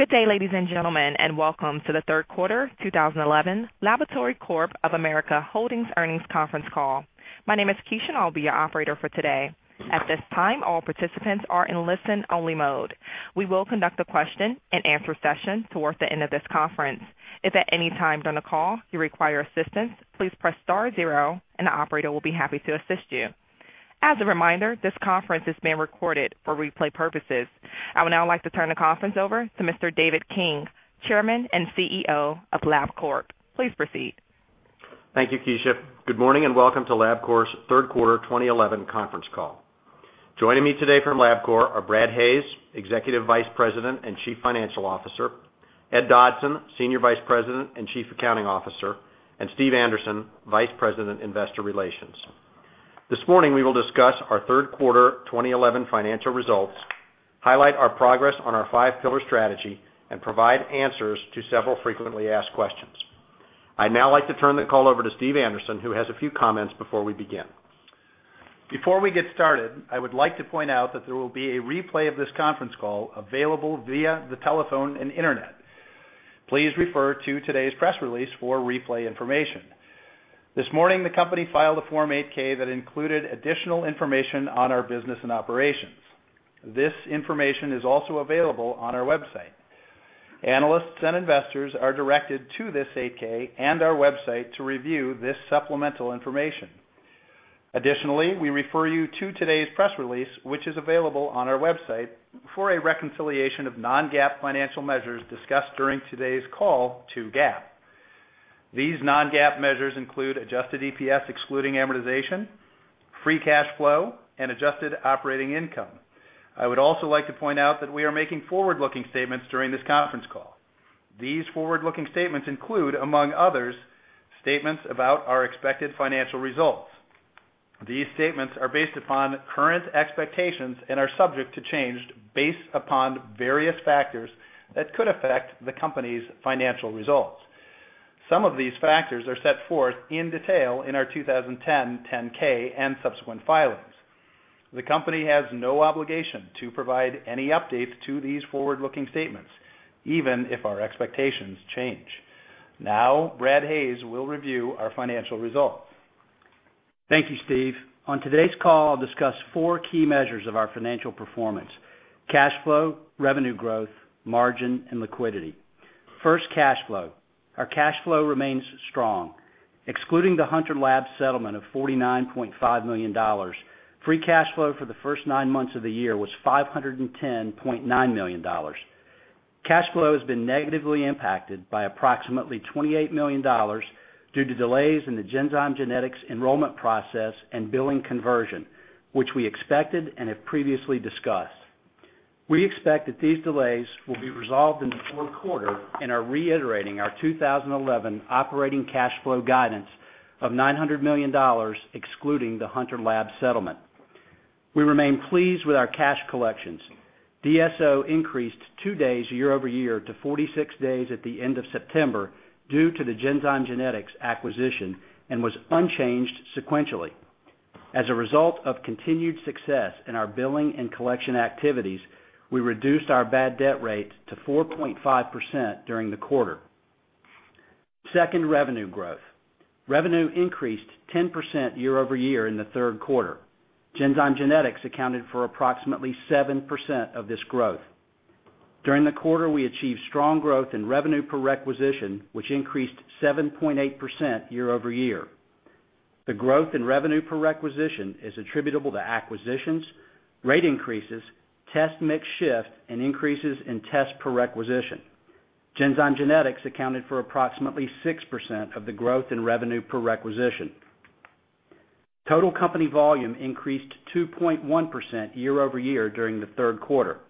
Good day, ladies and gentlemen, and welcome to the Third Quarter 2011 LabCorp Holdings' Earnings Conference call. My name is Keisha, and I'll be your operator for today. At this time, all participants are in listen-only mode. We will conduct a question-and-answer session towards the end of this conference. If at any time during the call you require assistance, please press star zero, and the operator will be happy to assist you. As a reminder, this conference is being recorded for replay purposes. I would now like to turn the conference over to Mr. David King, Chairman and CEO of LabCorp. Please proceed. Thank you, Keisha. Good morning and welcome to LabCorp's Third Quarter, 2011, Conference Call. Joining me today from LabCorp are Brad Hayes, Executive Vice President and Chief Financial Officer, Ed Dodson, Senior Vice President and Chief Accounting Officer, and Steve Anderson, Vice President, Investor Relations. This morning, we will discuss our third quarter, 2011, financial results, highlight our progress on our five-pillar strategy, and provide answers to several frequently asked questions. I'd now like to turn the call over to Steve Anderson, who has a few comments before we begin. Before we get started, I would like to point out that there will be a replay of this conference call available via the telephone and internet. Please refer to today's press release for replay information. This morning, the company filed a Form 8-K that included additional information on our business and operations. This information is also available on our website. Analysts and investors are directed to this 8-K and our website to review this supplemental information. Additionally, we refer you to today's press release, which is available on our website, for a reconciliation of non-GAAP financial measures discussed during today's call to GAAP. These non-GAAP measures include adjusted EPS excluding amortization, free cash flow, and adjusted operating income. I would also like to point out that we are making forward-looking statements during this conference call. These forward-looking statements include, among others, statements about our expected financial results. These statements are based upon current expectations and are subject to change based upon various factors that could affect the company's financial results. Some of these factors are set forth in detail in our 2010 10-K and subsequent filings. The company has no obligation to provide any updates to these forward-looking statements, even if our expectations change. Now, Brad Hayes will review our financial results. Thank you, Steve. On today's call, I'll discuss four key measures of our financial performance: cash flow, revenue growth, margin, and liquidity. First, cash flow. Our cash flow remains strong. Excluding the Hunter Labs settlement of $49.5 million, free cash flow for the first nine months of the year was $510.9 million. Cash flow has been negatively impacted by approximately $28 million due to delays in the Genzyme Genetics enrollment process and billing conversion, which we expected and have previously discussed. We expect that these delays will be resolved in the fourth quarter and are reiterating our 2011 operating cash flow guidance of $900 million, excluding the Hunter Labs settlement. We remain pleased with our cash collections. DSO increased two days year-over-year to 46 days at the end of September due to the Genzyme Genetics acquisition and was unchanged sequentially. As a result of continued success in our billing and collection activities, we reduced our bad debt rate to 4.5% during the quarter. Second, revenue growth. Revenue increased 10% year-over-year in the third quarter. Genzyme Genetics accounted for approximately 7% of this growth. During the quarter, we achieved strong growth in revenue per requisition, which increased 7.8% year-over-year. The growth in revenue per requisition is attributable to acquisitions, rate increases, test mix shift, and increases in test per requisition. Genzyme Genetics accounted for approximately 6% of the growth in revenue per requisition. Total company volume increased 2.1% year-over-year during the third quarter.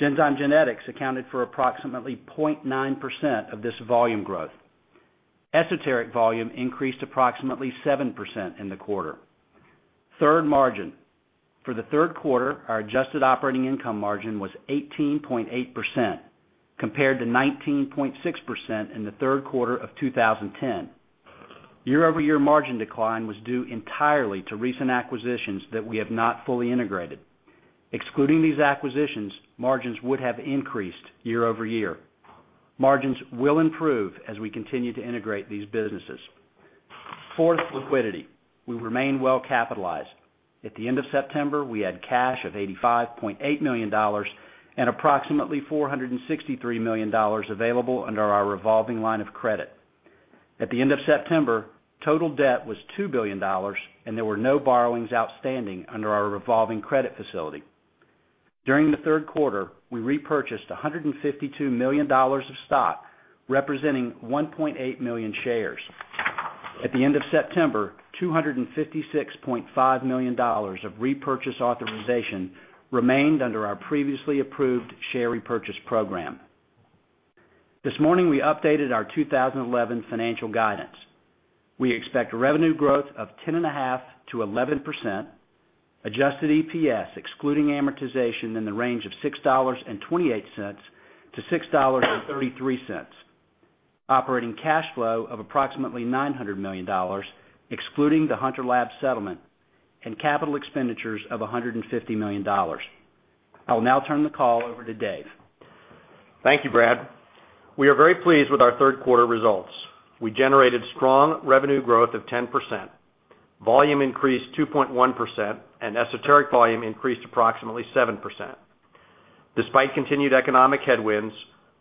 Genzyme Genetics accounted for approximately 0.9% of this volume growth. Esoteric volume increased approximately 7% in the quarter. Third margin. For the third quarter, our adjusted operating income margin was 18.8%, compared to 19.6% in the third quarter of 2010. Year-over-year margin decline was due entirely to recent acquisitions that we have not fully integrated. Excluding these acquisitions, margins would have increased year-over-year. Margins will improve as we continue to integrate these businesses. Fourth, liquidity. We remain well capitalized. At the end of September, we had cash of $85.8 million and approximately $463 million available under our revolving line of credit. At the end of September, total debt was $2 billion, and there were no borrowings outstanding under our revolving credit facility. During the third quarter, we repurchased $152 million of stock, representing 1.8 million shares. At the end of September, $256.5 million of repurchase authorization remained under our previously approved share repurchase program. This morning, we updated our 2011 financial guidance. We expect revenue growth of 10.5%-11%, adjusted EPS excluding amortization in the range of $6.28-$6.33, operating cash flow of approximately $900 million, excluding the Hunter Labs settlement, and capital expenditures of $150 million. I will now turn the call over to Dave. Thank you, Brad. We are very pleased with our third quarter results. We generated strong revenue growth of 10%. Volume increased 2.1%, and esoteric volume increased approximately 7%. Despite continued economic headwinds,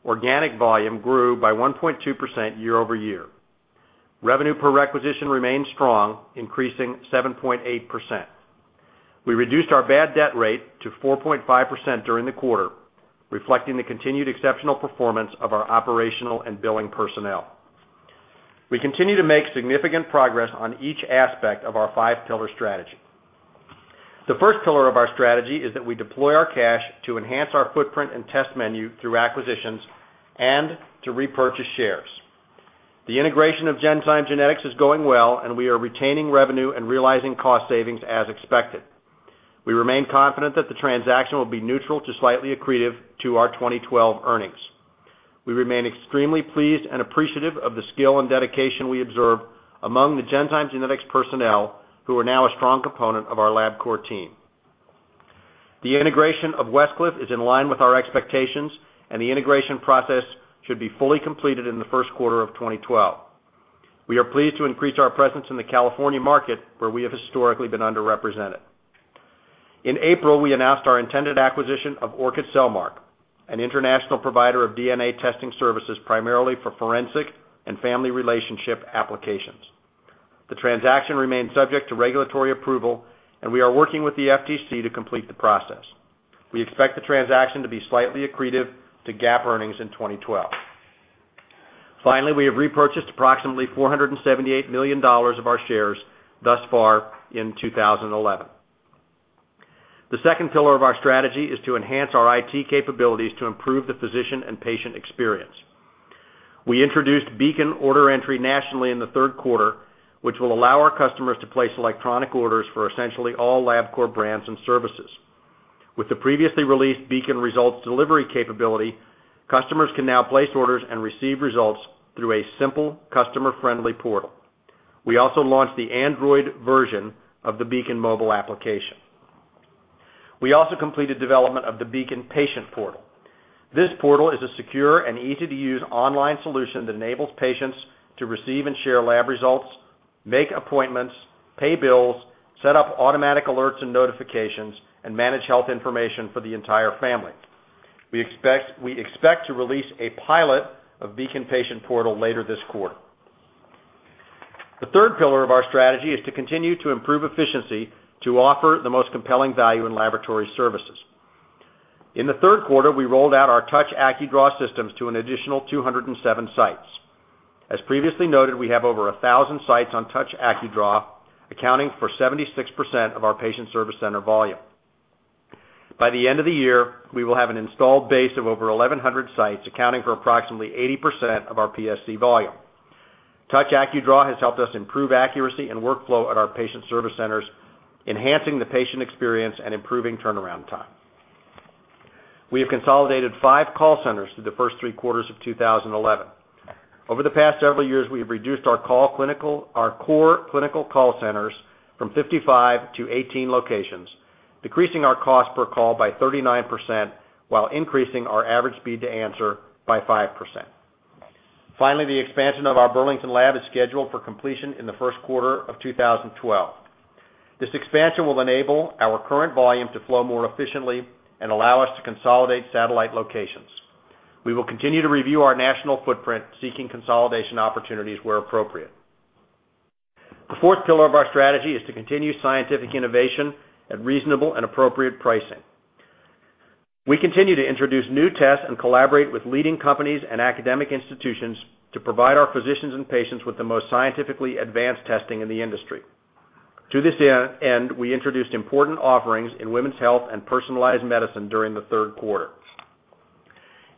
organic volume grew by 1.2% year-over-year. Revenue per requisition remained strong, increasing 7.8%. We reduced our bad debt rate to 4.5% during the quarter, reflecting the continued exceptional performance of our operational and billing personnel. We continue to make significant progress on each aspect of our five-pillar strategy. The first pillar of our strategy is that we deploy our cash to enhance our footprint and test menu through acquisitions and to repurchase shares. The integration of Genzyme Genetics is going well, and we are retaining revenue and realizing cost savings as expected. We remain confident that the transaction will be neutral to slightly accretive to our 2012 earnings. We remain extremely pleased and appreciative of the skill and dedication we observe among the Genzyme Genetics personnel, who are now a strong component of our LabCorp team. The integration of Westcliff is in line with our expectations, and the integration process should be fully completed in the first quarter of 2012. We are pleased to increase our presence in the California market, where we have historically been underrepresented. In April, we announced our intended acquisition of Orchid Cellmark, an international provider of DNA testing services primarily for forensic and family relationship applications. The transaction remains subject to regulatory approval, and we are working with the FTC to complete the process. We expect the transaction to be slightly accretive to GAAP earnings in 2012. Finally, we have repurchased approximately $478 million of our shares thus far in 2011. The second pillar of our strategy is to enhance our IT capabilities to improve the physician and patient experience. We introduced Beacon Order Entry nationally in the third quarter, which will allow our customers to place electronic orders for essentially all LabCorp brands and services. With the previously released Beacon results delivery capability, customers can now place orders and receive results through a simple, customer-friendly portal. We also launched the Android version of the Beacon mobile application. We also completed development of the Beacon Patient Portal. This portal is a secure and easy-to-use online solution that enables patients to receive and share lab results, make appointments, pay bills, set up automatic alerts and notifications, and manage health information for the entire family. We expect to release a pilot of Beacon Patient Portal later this quarter. The third pillar of our strategy is to continue to improve efficiency to offer the most compelling value in laboratory services. In the third quarter, we rolled out our Touch AccuDraw systems to an additional 207 sites. As previously noted, we have over 1,000 sites on Touch AccuDraw, accounting for 76% of our patient service center volume. By the end of the year, we will have an installed base of over 1,100 sites, accounting for approximately 80% of our PSC volume. Touch AccuDraw has helped us improve accuracy and workflow at our patient service centers, enhancing the patient experience and improving turnaround time. We have consolidated five call centers through the first three quarters of 2011. Over the past several years, we have reduced our core clinical call centers from 55 to 18 locations, decreasing our cost per call by 39% while increasing our average speed to answer by 5%. Finally, the expansion of our Burlington Lab is scheduled for completion in the first quarter of 2012. This expansion will enable our current volume to flow more efficiently and allow us to consolidate satellite locations. We will continue to review our national footprint, seeking consolidation opportunities where appropriate. The fourth pillar of our strategy is to continue scientific innovation at reasonable and appropriate pricing. We continue to introduce new tests and collaborate with leading companies and academic institutions to provide our physicians and patients with the most scientifically advanced testing in the industry. To this end, we introduced important offerings in women's health and personalized medicine during the third quarter.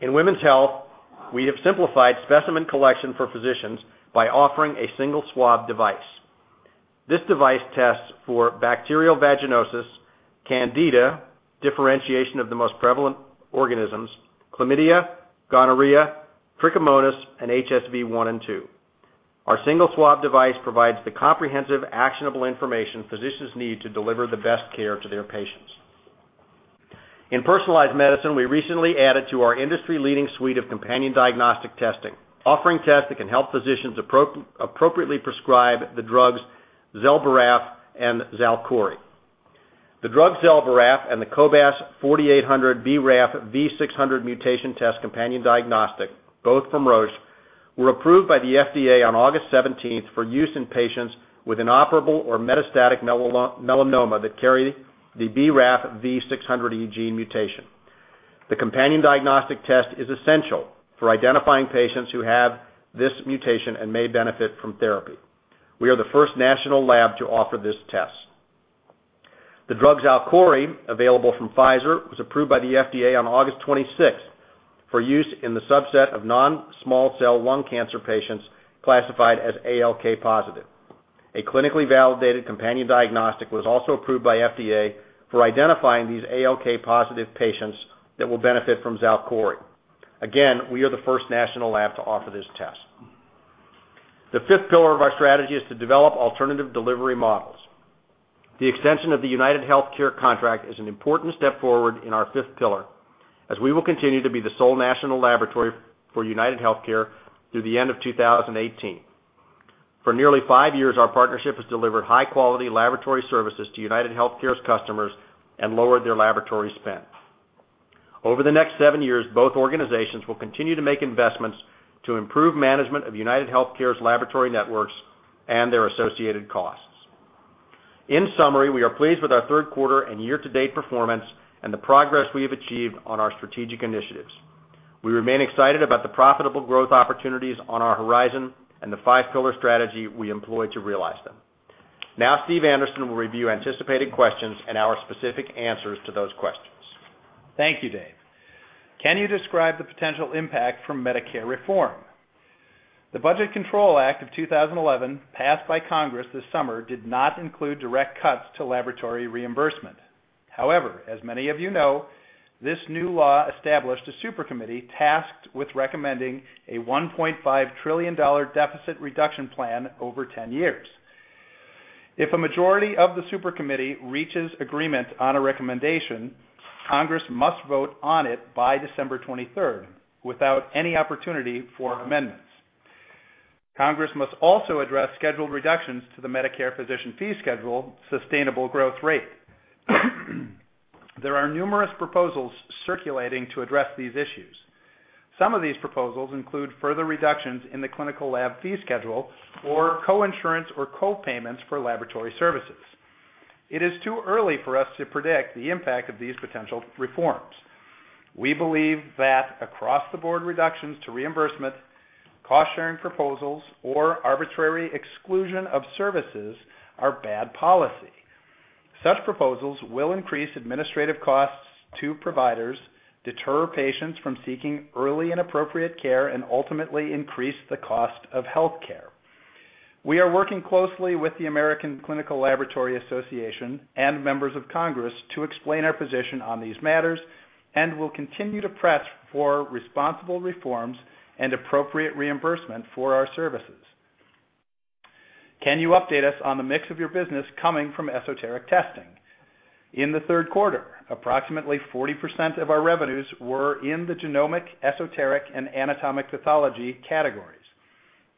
In women's health, we have simplified specimen collection for physicians by offering a single swab device. This device tests for bacterial vaginosis, Candida, differentiation of the most prevalent organisms, chlamydia, gonorrhea, trichomonas, and HSV1 and 2. Our single swab device provides the comprehensive, actionable information physicians need to deliver the best care to their patients. In personalized medicine, we recently added to our industry-leading suite of companion diagnostic testing, offering tests that can help physicians appropriately prescribe the drugs Zelboraf and XALKORI. The drug Zelboraf and the Cobas 4800 BRAF V600 mutation test companion diagnostic, both from Roche, were approved by the FDA on August 17 for use in patients with inoperable or metastatic melanoma that carry the BRAF V600 gene mutation. The companion diagnostic test is essential for identifying patients who have this mutation and may benefit from therapy. We are the first national lab to offer this test. The drug XALKORI, available from Pfizer, was approved by the FDA on August 26 for use in the subset of non-small cell lung cancer patients classified as ALK positive. A clinically validated companion diagnostic was also approved by FDA for identifying these ALK positive patients that will benefit from XALKORI. Again, we are the first national lab to offer this test. The fifth pillar of our strategy is to develop alternative delivery models. The extension of the UnitedHealthcare contract is an important step forward in our fifth pillar, as we will continue to be the sole national laboratory for UnitedHealthcare through the end of 2018. For nearly five years, our partnership has delivered high-quality laboratory services to UnitedHealthcare's customers and lowered their laboratory spend. Over the next seven years, both organizations will continue to make investments to improve management of UnitedHealthcare's laboratory networks and their associated costs. In summary, we are pleased with our third quarter and year-to-date performance and the progress we have achieved on our strategic initiatives. We remain excited about the profitable growth opportunities on our horizon and the five-pillar strategy we employ to realize them. Now, Steve Andersen will review anticipated questions and our specific answers to those questions. Thank you, Dave. Can you describe the potential impact from Medicare reform? The Budget Control Act of 2011, passed by Congress this summer, did not include direct cuts to laboratory reimbursement. However, as many of you know, this new law established a supercommittee tasked with recommending a $1.5 trillion deficit reduction plan over 10 years. If a majority of the supercommittee reaches agreement on a recommendation, Congress must vote on it by December 23 without any opportunity for amendments. Congress must also address scheduled reductions to the Medicare physician fee schedule sustainable growth rate. There are numerous proposals circulating to address these issues. Some of these proposals include further reductions in the clinical lab fee schedule or co-insurance or co-payments for laboratory services. It is too early for us to predict the impact of these potential reforms. We believe that across-the-board reductions to reimbursement, cost-sharing proposals, or arbitrary exclusion of services are bad policy. Such proposals will increase administrative costs to providers, deter patients from seeking early and appropriate care, and ultimately increase the cost of healthcare. We are working closely with the American Clinical Laboratory Association and members of Congress to explain our position on these matters and will continue to press for responsible reforms and appropriate reimbursement for our services. Can you update us on the mix of your business coming from esoteric testing? In the third quarter, approximately 40% of our revenues were in the genomic, esoteric, and anatomic pathology categories.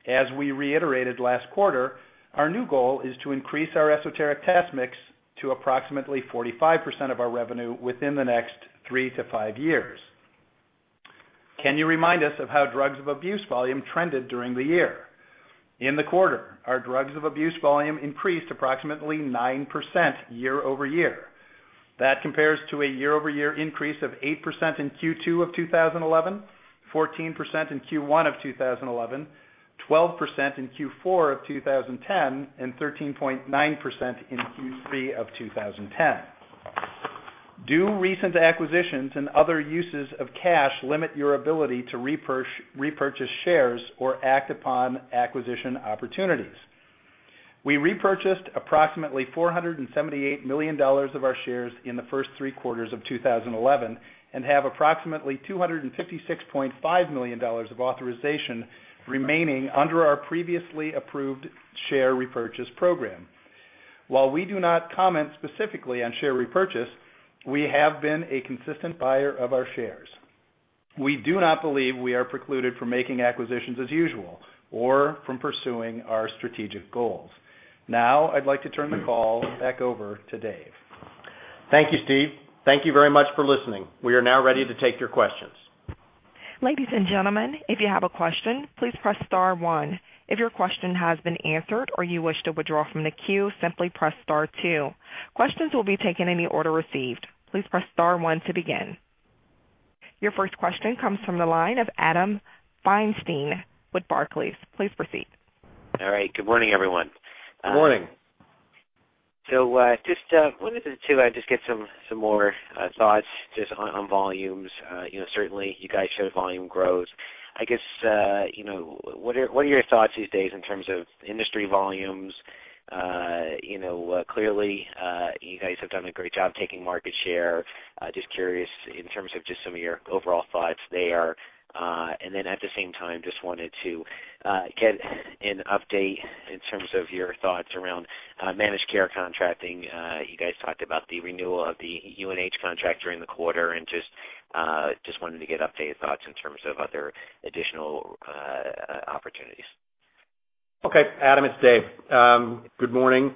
As we reiterated last quarter, our new goal is to increase our esoteric test mix to approximately 45% of our revenue within the next three to five years. Can you remind us of how drugs of abuse volume trended during the year? In the quarter, our drugs of abuse volume increased approximately 9% year-over-year. That compares to a year-over-year increase of 8% in Q2 of 2011, 14% in Q1 of 2011, 12% in Q4 of 2010, and 13.9% in Q3 of 2010. Do recent acquisitions and other uses of cash limit your ability to repurchase shares or act upon acquisition opportunities? We repurchased approximately $478 million of our shares in the first three quarters of 2011 and have approximately $256.5 million of authorization remaining under our previously approved share repurchase program. While we do not comment specifically on share repurchase, we have been a consistent buyer of our shares. We do not believe we are precluded from making acquisitions as usual or from pursuing our strategic goals. Now, I'd like to turn the call back over to Dave. Thank you, Steve. Thank you very much for listening. We are now ready to take your questions. Ladies and gentlemen, if you have a question, please press star one. If your question has been answered or you wish to withdraw from the queue, simply press star two. Questions will be taken in the order received. Please press star one to begin. Your first question comes from the line of Adam Feinstein with Barclays. Please proceed. All right. Good morning, everyone. Good morning. Just wanted to get some more thoughts just on volumes. Certainly, you guys showed volume growth. I guess, what are your thoughts these days in terms of industry volumes? Clearly, you guys have done a great job taking market share. Just curious in terms of some of your overall thoughts there. At the same time, just wanted to get an update in terms of your thoughts around managed care contracting. You guys talked about the renewal of the UNH contract during the quarter and just wanted to get updated thoughts in terms of other additional opportunities. Okay. Adam, it's Dave. Good morning.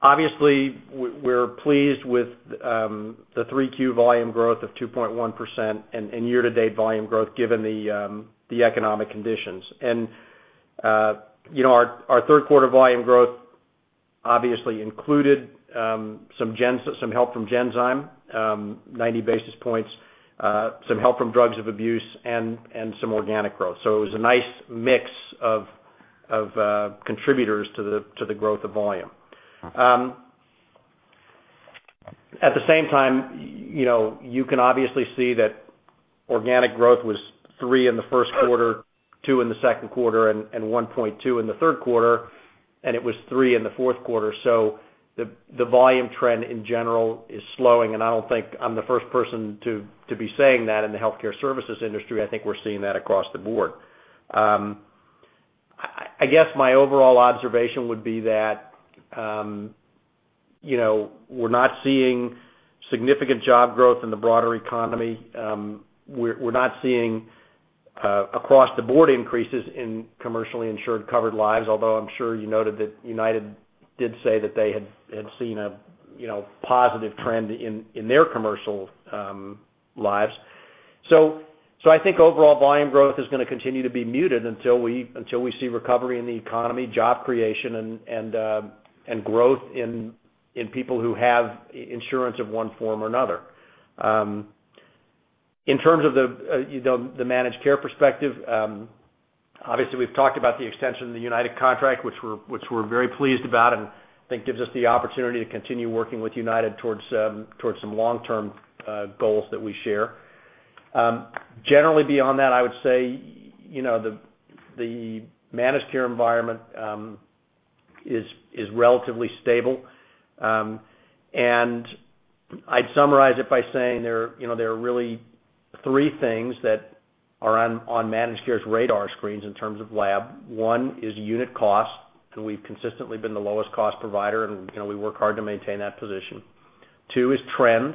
Obviously, we're pleased with the three-queued volume growth of 2.1% and year-to-date volume growth given the economic conditions. Our third quarter volume growth obviously included some help from Genzyme, 90 basis points, some help from drugs of abuse, and some organic growth. It was a nice mix of contributors to the growth of volume. At the same time, you can obviously see that organic growth was three in the first quarter, two in the second quarter, and 1.2 in the third quarter, and it was three in the fourth quarter. The volume trend in general is slowing, and I don't think I'm the first person to be saying that in the healthcare services industry. I think we're seeing that across the board. I guess my overall observation would be that we're not seeing significant job growth in the broader economy. We're not seeing across-the-board increases in commercially insured covered lives, although I'm sure you noted that United did say that they had seen a positive trend in their commercial lives. I think overall volume growth is going to continue to be muted until we see recovery in the economy, job creation, and growth in people who have insurance of one form or another. In terms of the managed care perspective, obviously, we've talked about the extension of the United contract, which we're very pleased about and I think gives us the opportunity to continue working with United towards some long-term goals that we share. Generally, beyond that, I would say the managed care environment is relatively stable. I'd summarize it by saying there are really three things that are on managed care's radar screens in terms of lab. One is unit cost, and we've consistently been the lowest cost provider, and we work hard to maintain that position. Two is trend.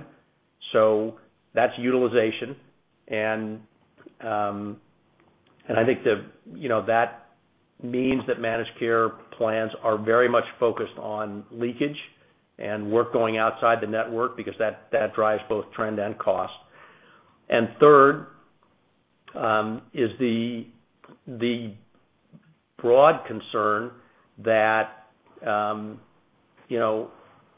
So that's utilization. I think that means that managed care plans are very much focused on leakage and work going outside the network because that drives both trend and cost. Third is the broad concern that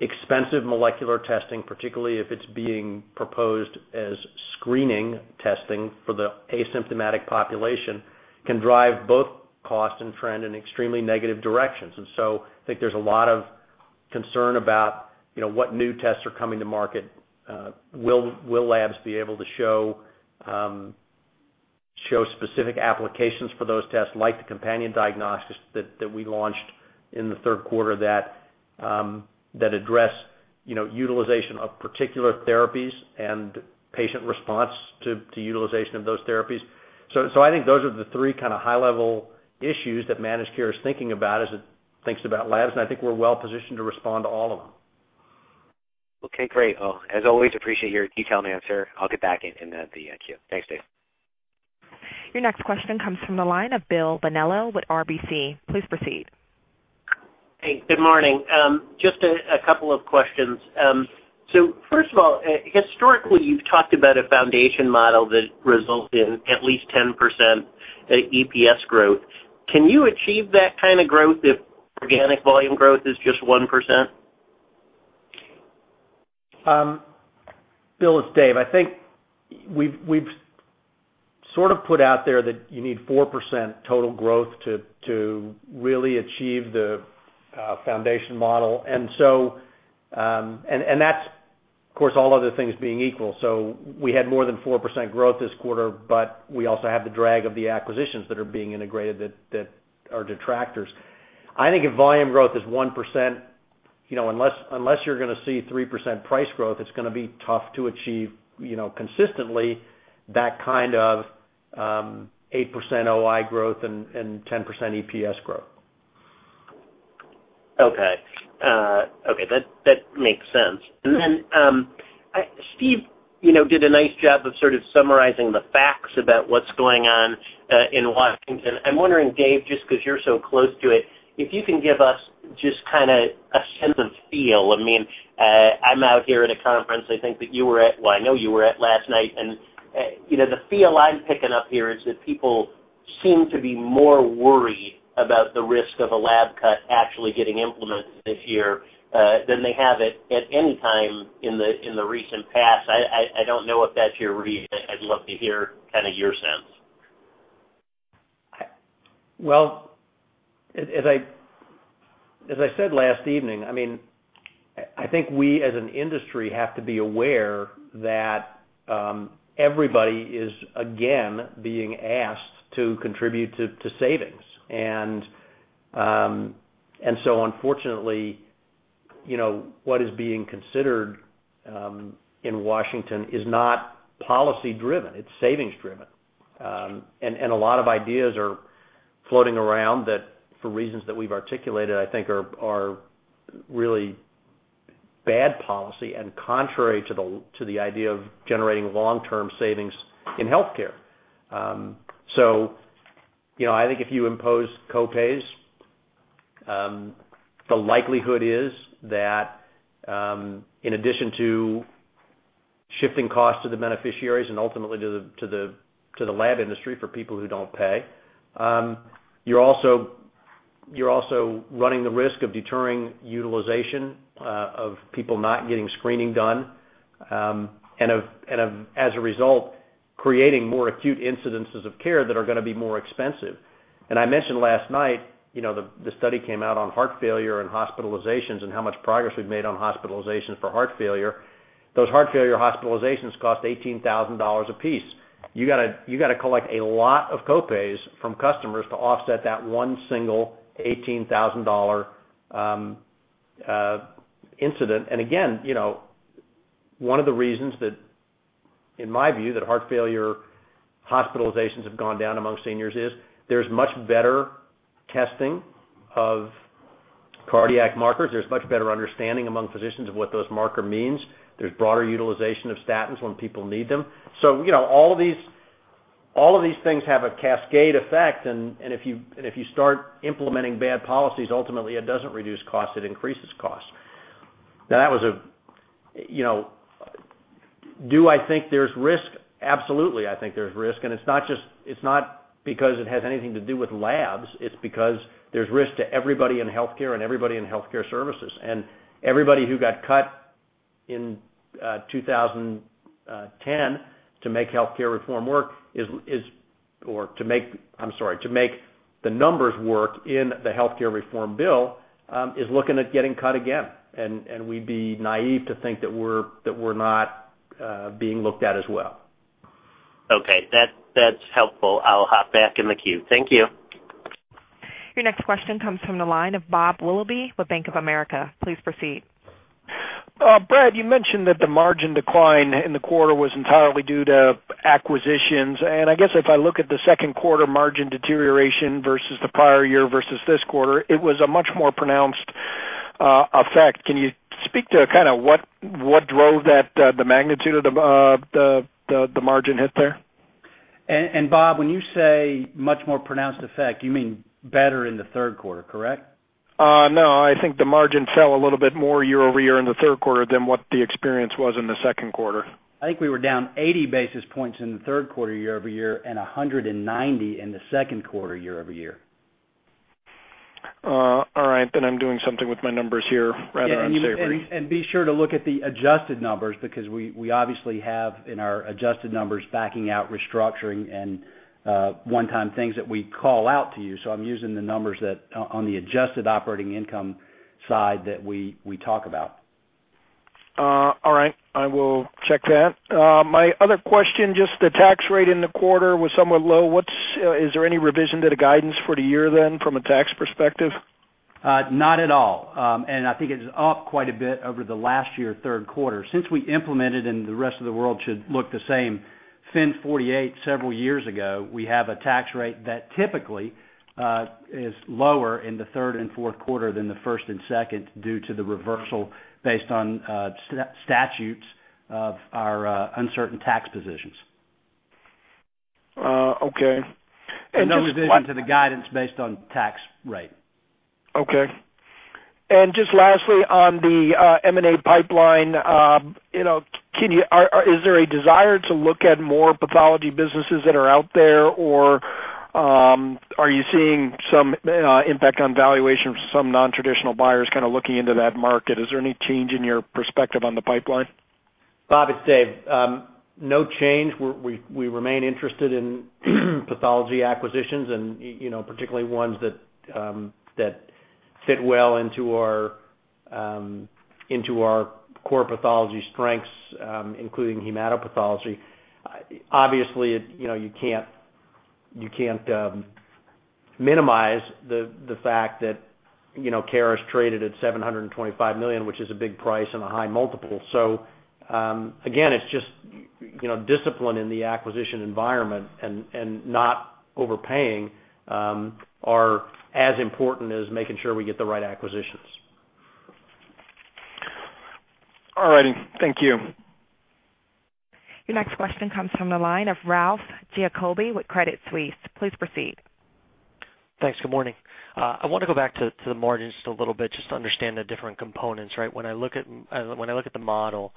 expensive molecular testing, particularly if it's being proposed as screening testing for the asymptomatic population, can drive both cost and trend in extremely negative directions. I think there's a lot of concern about what new tests are coming to market. Will labs be able to show specific applications for those tests like the companion diagnostics that we launched in the third quarter that address utilization of particular therapies and patient response to utilization of those therapies? I think those are the three kind of high-level issues that managed care is thinking about as it thinks about labs. I think we're well-positioned to respond to all of them. Okay. Great. As always, appreciate your detailed answer. I'll get back in the queue. Thanks, Dave. Your next question comes from the line of Bill Bonello with RBC. Please proceed. Hey. Good morning. Just a couple of questions. First of all, historically, you've talked about a foundation model that results in at least 10% EPS growth. Can you achieve that kind of growth if organic volume growth is just 1%? Bill, it's Dave. I think we've sort of put out there that you need 4% total growth to really achieve the foundation model. And that's, of course, all other things being equal. We had more than 4% growth this quarter, but we also have the drag of the acquisitions that are being integrated that are detractors. I think if volume growth is 1%, unless you're going to see 3% price growth, it's going to be tough to achieve consistently that kind of 8% OI growth and 10% EPS growth. Okay. Okay. That makes sense. Steve did a nice job of sort of summarizing the facts about what's going on in Washington. I'm wondering, Dave, just because you're so close to it, if you can give us just kind of a sense of feel. I mean, I'm out here at a conference I think that you were at, I know you were at last night. The feel I'm picking up here is that people seem to be more worried about the risk of a lab cut actually getting implemented this year than they have at any time in the recent past. I don't know if that's your reason. I'd love to hear kind of your sense. As I said last evening, I mean, I think we as an industry have to be aware that everybody is, again, being asked to contribute to savings. Unfortunately, what is being considered in Washington is not policy-driven. It is savings-driven. A lot of ideas are floating around that, for reasons that we have articulated, I think are really bad policy and contrary to the idea of generating long-term savings in healthcare. I think if you impose co-pays, the likelihood is that in addition to shifting costs to the beneficiaries and ultimately to the lab industry for people who do not pay, you are also running the risk of deterring utilization of people not getting screening done, and as a result, creating more acute incidences of care that are going to be more expensive. I mentioned last night, the study came out on heart failure and hospitalizations and how much progress we've made on hospitalizations for heart failure. Those heart failure hospitalizations cost $18,000 apiece. You got to collect a lot of co-pays from customers to offset that one single $18,000 incident. One of the reasons that, in my view, that heart failure hospitalizations have gone down among seniors is there's much better testing of cardiac markers. There's much better understanding among physicians of what those markers mean. There's broader utilization of statins when people need them. All of these things have a cascade effect. If you start implementing bad policies, ultimately, it doesn't reduce costs. It increases costs. Now, that was a do I think there's risk? Absolutely, I think there's risk. It's not because it has anything to do with labs. It's because there's risk to everybody in healthcare and everybody in healthcare services. Everybody who got cut in 2010 to make healthcare reform work or to make—I'm sorry—to make the numbers work in the healthcare reform bill is looking at getting cut again. We'd be naive to think that we're not being looked at as well. Okay. That's helpful. I'll hop back in the queue. Thank you. Your next question comes from the line of Bob Willoughby with Bank of America. Please proceed. Brad, you mentioned that the margin decline in the quarter was entirely due to acquisitions. I guess if I look at the second quarter margin deterioration versus the prior year versus this quarter, it was a much more pronounced effect. Can you speak to kind of what drove the magnitude of the margin hit there? Bob, when you say much more pronounced effect, you mean better in the third quarter, correct? No. I think the margin fell a little bit more year-over-year in the third quarter than what the experience was in the second quarter. I think we were down 80 basis points in the third quarter year-over-year and 190 in the second quarter year-over-year. All right. I am doing something with my numbers here rather unsavory. Be sure to look at the adjusted numbers because we obviously have in our adjusted numbers backing out restructuring and one-time things that we call out to you. I am using the numbers on the adjusted operating income side that we talk about. All right. I will check that. My other question, just the tax rate in the quarter was somewhat low. Is there any revision to the guidance for the year then from a tax perspective? Not at all. I think it's up quite a bit over the last year third quarter. Since we implemented, and the rest of the world should look the same, FIN 48 several years ago, we have a tax rate that typically is lower in the third and fourth quarter than the first and second due to the reversal based on statutes of our uncertain tax positions. Okay. Just. In addition to the guidance based on tax rate. Okay. Just lastly, on the M&A pipeline, is there a desire to look at more pathology businesses that are out there, or are you seeing some impact on valuation for some non-traditional buyers kind of looking into that market? Is there any change in your perspective on the pipeline? Bob, it's Dave. No change. We remain interested in pathology acquisitions and particularly ones that fit well into our core pathology strengths, including hematopathology. Obviously, you can't minimize the fact that Caris traded at $725 million, which is a big price and a high multiple. Again, it's just discipline in the acquisition environment and not overpaying are as important as making sure we get the right acquisitions. All righty. Thank you. Your next question comes from the line of Ralph Giacobbe with Credit Suisse. Please proceed. Thanks. Good morning. I want to go back to the margin just a little bit just to understand the different components, right? When I look at the model,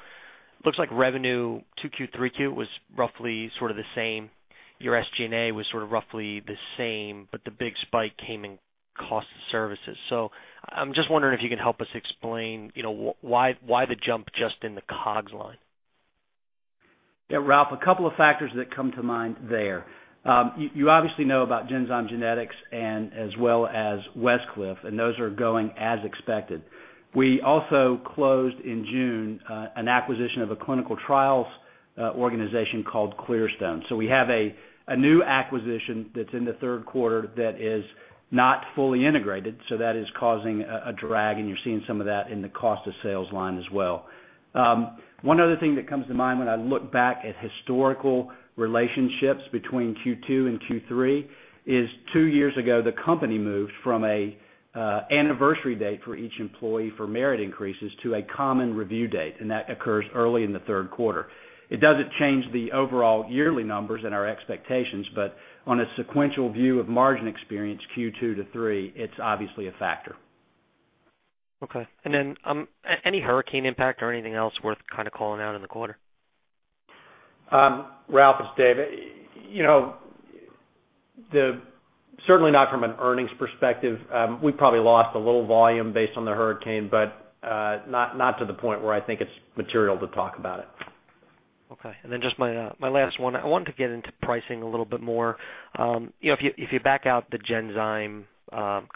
it looks like revenue Q2, Q3 was roughly sort of the same. Your SG&A was sort of roughly the same, but the big spike came in cost services. I am just wondering if you can help us explain why the jump just in the COGS line. Yeah. Ralph, a couple of factors that come to mind there. You obviously know about Genzyme Genetics as well as Westcliff, and those are going as expected. We also closed in June an acquisition of a clinical trials organization called Clearstone. So we have a new acquisition that's in the third quarter that is not fully integrated. So that is causing a drag, and you're seeing some of that in the cost of sales line as well. One other thing that comes to mind when I look back at historical relationships between Q2 and Q3 is two years ago, the company moved from an anniversary date for each employee for merit increases to a common review date. That occurs early in the third quarter. It doesn't change the overall yearly numbers and our expectations, but on a sequential view of margin experience Q2-Q3, it's obviously a factor. Okay. And then any hurricane impact or anything else worth kind of calling out in the quarter? Ralph, it's Dave. Certainly not from an earnings perspective. We probably lost a little volume based on the hurricane, but not to the point where I think it's material to talk about it. Okay. And then just my last one. I wanted to get into pricing a little bit more. If you back out the Genzyme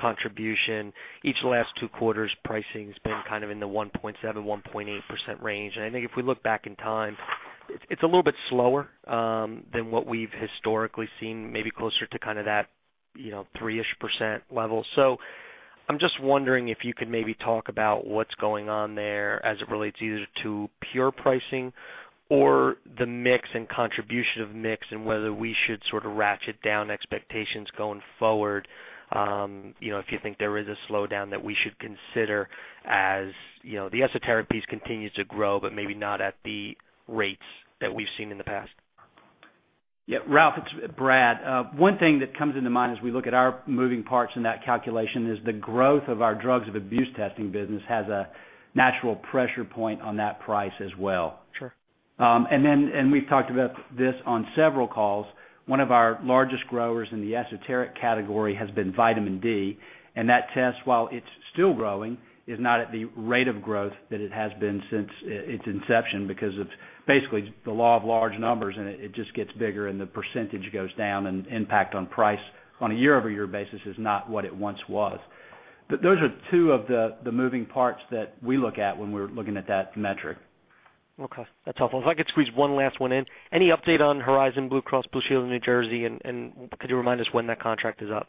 contribution, each last two quarters, pricing has been kind of in the 1.7%-1.8% range. I think if we look back in time, it's a little bit slower than what we've historically seen, maybe closer to kind of that 3% level. I'm just wondering if you can maybe talk about what's going on there as it relates either to pure pricing or the mix and contribution of mix and whether we should sort of ratchet down expectations going forward if you think there is a slowdown that we should consider as the esoteric piece continues to grow, but maybe not at the rates that we've seen in the past. Yeah. Ralph, it's Brad. One thing that comes into mind as we look at our moving parts in that calculation is the growth of our drugs of abuse testing business has a natural pressure point on that price as well. Sure. We have talked about this on several calls. One of our largest growers in the esoteric category has been Vitamin D. That test, while it is still growing, is not at the rate of growth that it has been since its inception because of basically the law of large numbers, and it just gets bigger and the percentage goes down, and impact on price on a year-over-year basis is not what it once was. Those are two of the moving parts that we look at when we are looking at that metric. Okay. That's helpful. If I could squeeze one last one in. Any update on Horizon Blue Cross Blue Shield in New Jersey, and could you remind us when that contract is up?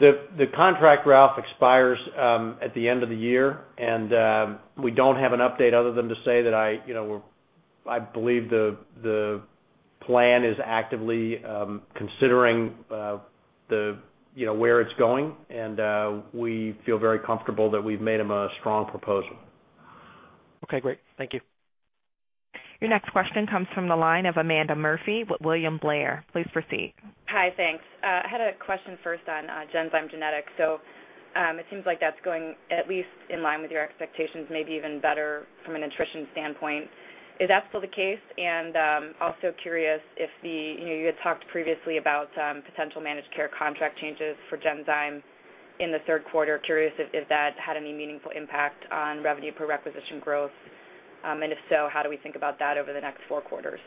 The contract, Ralph, expires at the end of the year. We do not have an update other than to say that I believe the plan is actively considering where it is going. We feel very comfortable that we have made them a strong proposal. Okay. Great. Thank you. Your next question comes from the line of Amanda Murphy with William Blair. Please proceed. Hi. Thanks. I had a question first on Genzyme Genetics. So it seems like that's going at least in line with your expectations, maybe even better from an attrition standpoint. Is that still the case? Also curious if you had talked previously about potential managed care contract changes for Genzyme in the third quarter. Curious if that had any meaningful impact on revenue per requisition growth. If so, how do we think about that over the next four quarters?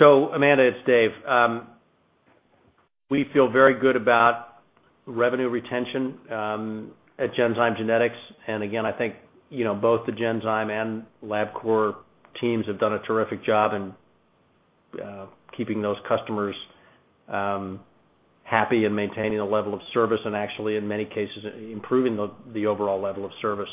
Amanda, it's Dave. We feel very good about revenue retention at Genzyme Genetics. Again, I think both the Genzyme and LabCorp teams have done a terrific job in keeping those customers happy and maintaining the level of service and actually, in many cases, improving the overall level of service.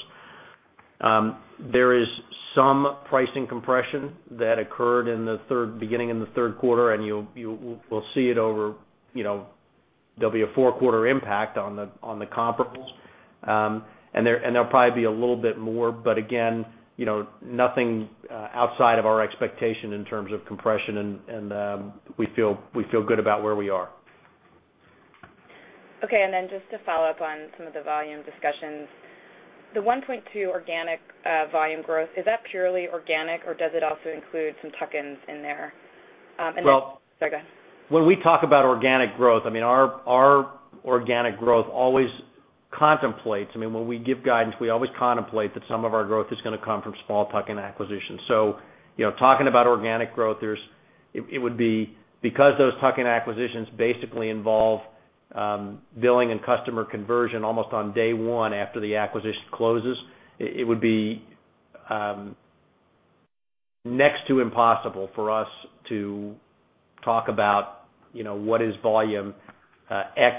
There is some pricing compression that occurred in the beginning in the third quarter, and you will see it over there will be a four-quarter impact on the comparables. There will probably be a little bit more, but again, nothing outside of our expectation in terms of compression. We feel good about where we are. Okay. And then just to follow up on some of the volume discussions, the 1.2% organic volume growth, is that purely organic, or does it also include some tuck-ins in there? Well. Sorry. Go ahead. When we talk about organic growth, I mean, our organic growth always contemplates, I mean, when we give guidance, we always contemplate that some of our growth is going to come from small tuck-in acquisitions. Talking about organic growth, it would be because those tuck-in acquisitions basically involve billing and customer conversion almost on day one after the acquisition closes, it would be next to impossible for us to talk about what is volume X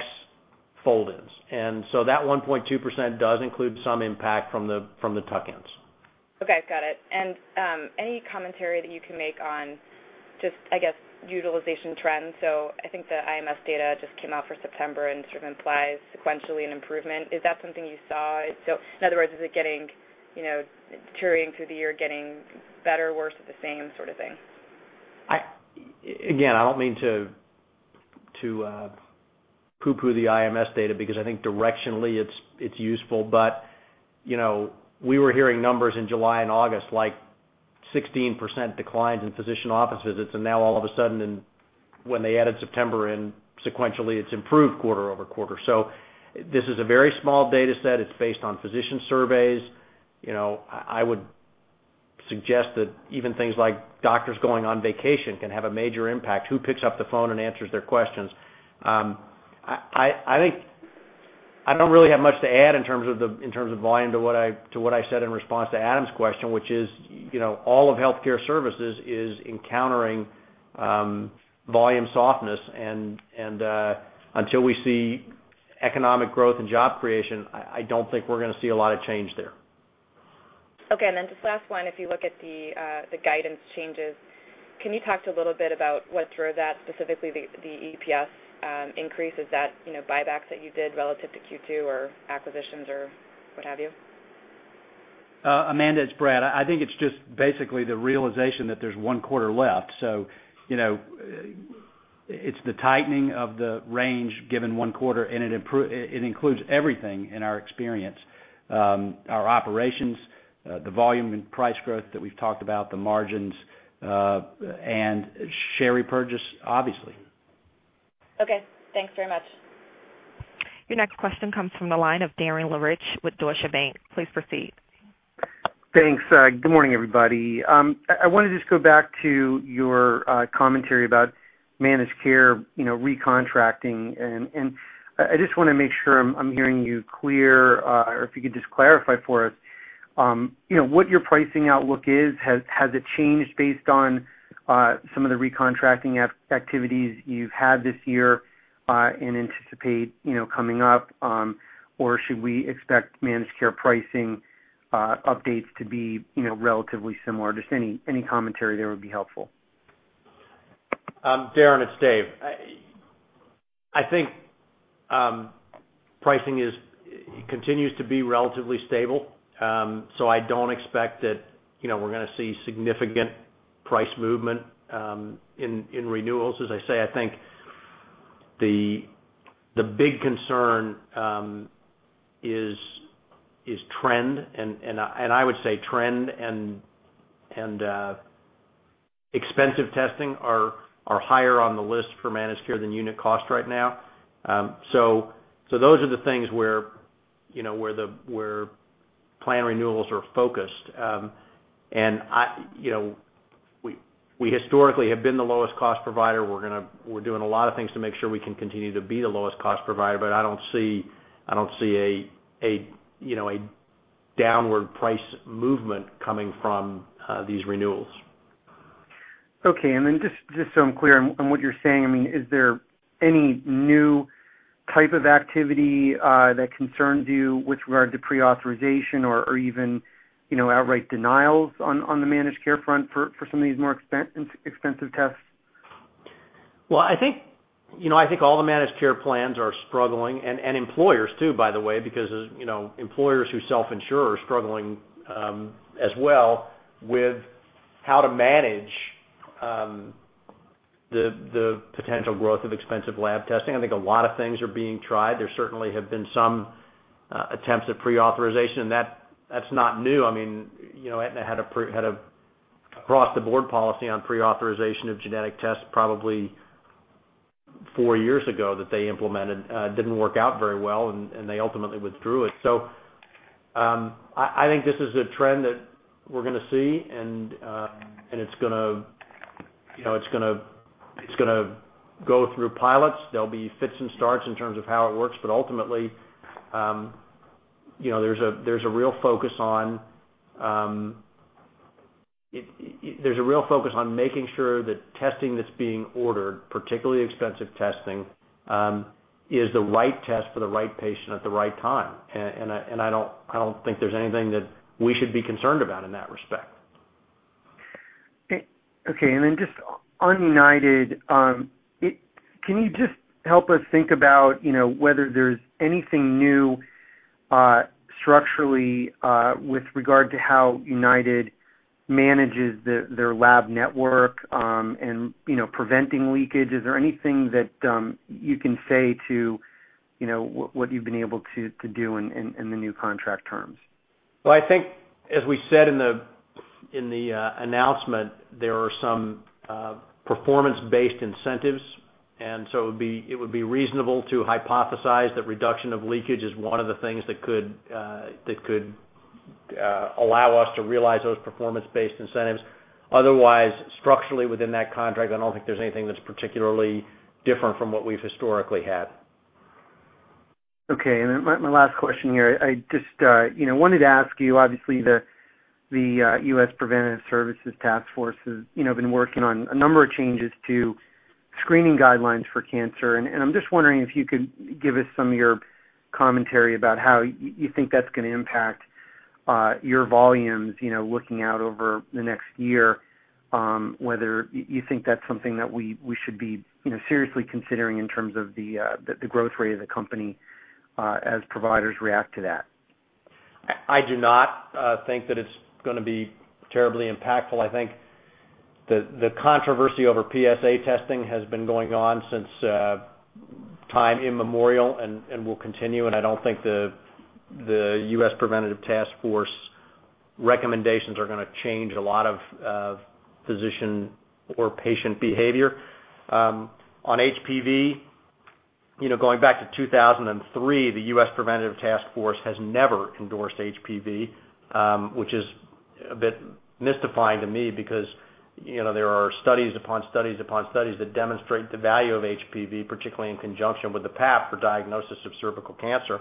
fold-ins. That 1.2% does include some impact from the tuck-ins. Okay. Got it. Any commentary that you can make on just, I guess, utilization trends? I think the IMS data just came out for September and sort of implies sequentially an improvement. Is that something you saw? In other words, is it deteriorating through the year, getting better, worse, or the same sort of thing? Again, I do not mean to poo-poo the IMS data because I think directionally it is useful, but we were hearing numbers in July and August like 16% declines in physician office visits. Now, all of a sudden, when they added September in, sequentially, it has improved quarter over quarter. This is a very small data set. It is based on physician surveys. I would suggest that even things like doctors going on vacation can have a major impact. Who picks up the phone and answers their questions? I do not really have much to add in terms of volume to what I said in response to Adam's question, which is all of healthcare services is encountering volume softness. Until we see economic growth and job creation, I do not think we are going to see a lot of change there. Okay. And then just last one. If you look at the guidance changes, can you talk to a little bit about what drove that, specifically the EPS increase, is that buyback that you did relative to Q2 or acquisitions or what have you? Amanda, it's Brad. I think it's just basically the realization that there's one quarter left. It is the tightening of the range given one quarter, and it includes everything in our experience: our operations, the volume and price growth that we've talked about, the margins, and share repurchase, obviously. Okay. Thanks very much. Your next question comes from the line of Darren Lehrich with Deutsche Bank. Please proceed. Thanks. Good morning, everybody. I wanted to just go back to your commentary about managed care recontracting. I just want to make sure I'm hearing you clear, or if you could just clarify for us what your pricing outlook is. Has it changed based on some of the recontracting activities you've had this year and anticipate coming up, or should we expect managed care pricing updates to be relatively similar? Just any commentary there would be helpful. Darren and Dave. I think pricing continues to be relatively stable. I do not expect that we are going to see significant price movement in renewals. As I say, I think the big concern is trend, and I would say trend and expensive testing are higher on the list for managed care than unit cost right now. Those are the things where plan renewals are focused. We historically have been the lowest cost provider. We are doing a lot of things to make sure we can continue to be the lowest cost provider, but I do not see a downward price movement coming from these renewals. Okay. And then just so I'm clear on what you're saying, I mean, is there any new type of activity that concerns you with regard to pre-authorization or even outright denials on the managed care front for some of these more expensive tests? I think all the managed care plans are struggling, and employers too, by the way, because employers who self-insure are struggling as well with how to manage the potential growth of expensive lab testing. I think a lot of things are being tried. There certainly have been some attempts at pre-authorization, and that's not new. I mean, Aetna had a cross-the-board policy on pre-authorization of genetic tests probably four years ago that they implemented. It didn't work out very well, and they ultimately withdrew it. I think this is a trend that we're going to see, and it's going to go through pilots. There'll be fits and starts in terms of how it works. Ultimately, there's a real focus on making sure that testing that's being ordered, particularly expensive testing, is the right test for the right patient at the right time. I don't think there's anything that we should be concerned about in that respect. Okay. And then just on United, can you just help us think about whether there is anything new structurally with regard to how United manages their lab network and preventing leakage? Is there anything that you can say to what you have been able to do in the new contract terms? I think, as we said in the announcement, there are some performance-based incentives. And so it would be reasonable to hypothesize that reduction of leakage is one of the things that could allow us to realize those performance-based incentives. Otherwise, structurally within that contract, I do not think there is anything that is particularly different from what we have historically had. Okay. My last question here. I just wanted to ask you, obviously, the U.S. Preventive Services Task Force has been working on a number of changes to screening guidelines for cancer. I'm just wondering if you could give us some of your commentary about how you think that's going to impact your volumes looking out over the next year, whether you think that's something that we should be seriously considering in terms of the growth rate of the company as providers react to that. I do not think that it's going to be terribly impactful. I think the controversy over PSA testing has been going on since time immemorial and will continue. I do not think the U.S. Preventive Task Force recommendations are going to change a lot of physician or patient behavior. On HPV, going back to 2003, the U.S. Preventive Task Force has never endorsed HPV, which is a bit mystifying to me because there are studies upon studies upon studies that demonstrate the value of HPV, particularly in conjunction with the PAP for diagnosis of cervical cancer.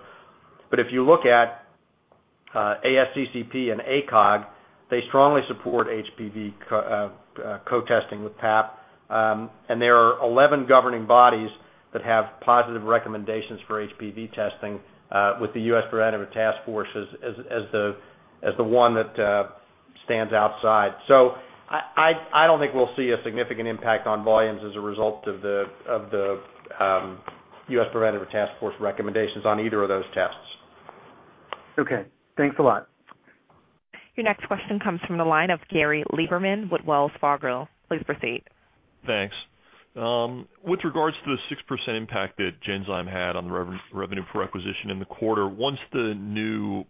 If you look at ASCCP and ACOG, they strongly support HPV co-testing with PAP. There are 11 governing bodies that have positive recommendations for HPV testing with the U.S. Preventive Task Force as the one that stands outside. I don't think we'll see a significant impact on volumes as a result of the U.S. Preventive Task Force recommendations on either of those tests. Okay. Thanks a lot. Your next question comes from the line of Gary Lieberman with Wells Fargo. Please proceed. Thanks. With regards to the 6% impact that Genzyme had on the revenue per requisition in the quarter, once the new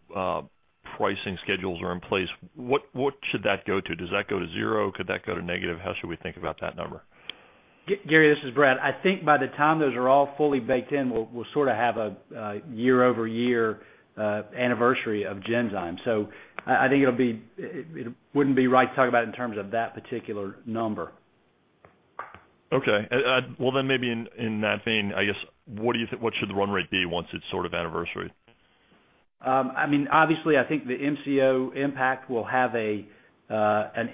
pricing schedules are in place, what should that go to? Does that go to zero? Could that go to negative? How should we think about that number? Gary, this is Brad. I think by the time those are all fully baked in, we'll sort of have a year-over-year anniversary of Genzyme. I think it wouldn't be right to talk about it in terms of that particular number. Okay. Maybe in that vein, I guess, what should the run rate be once it's sort of anniversary? I mean, obviously, I think the MCO impact will have an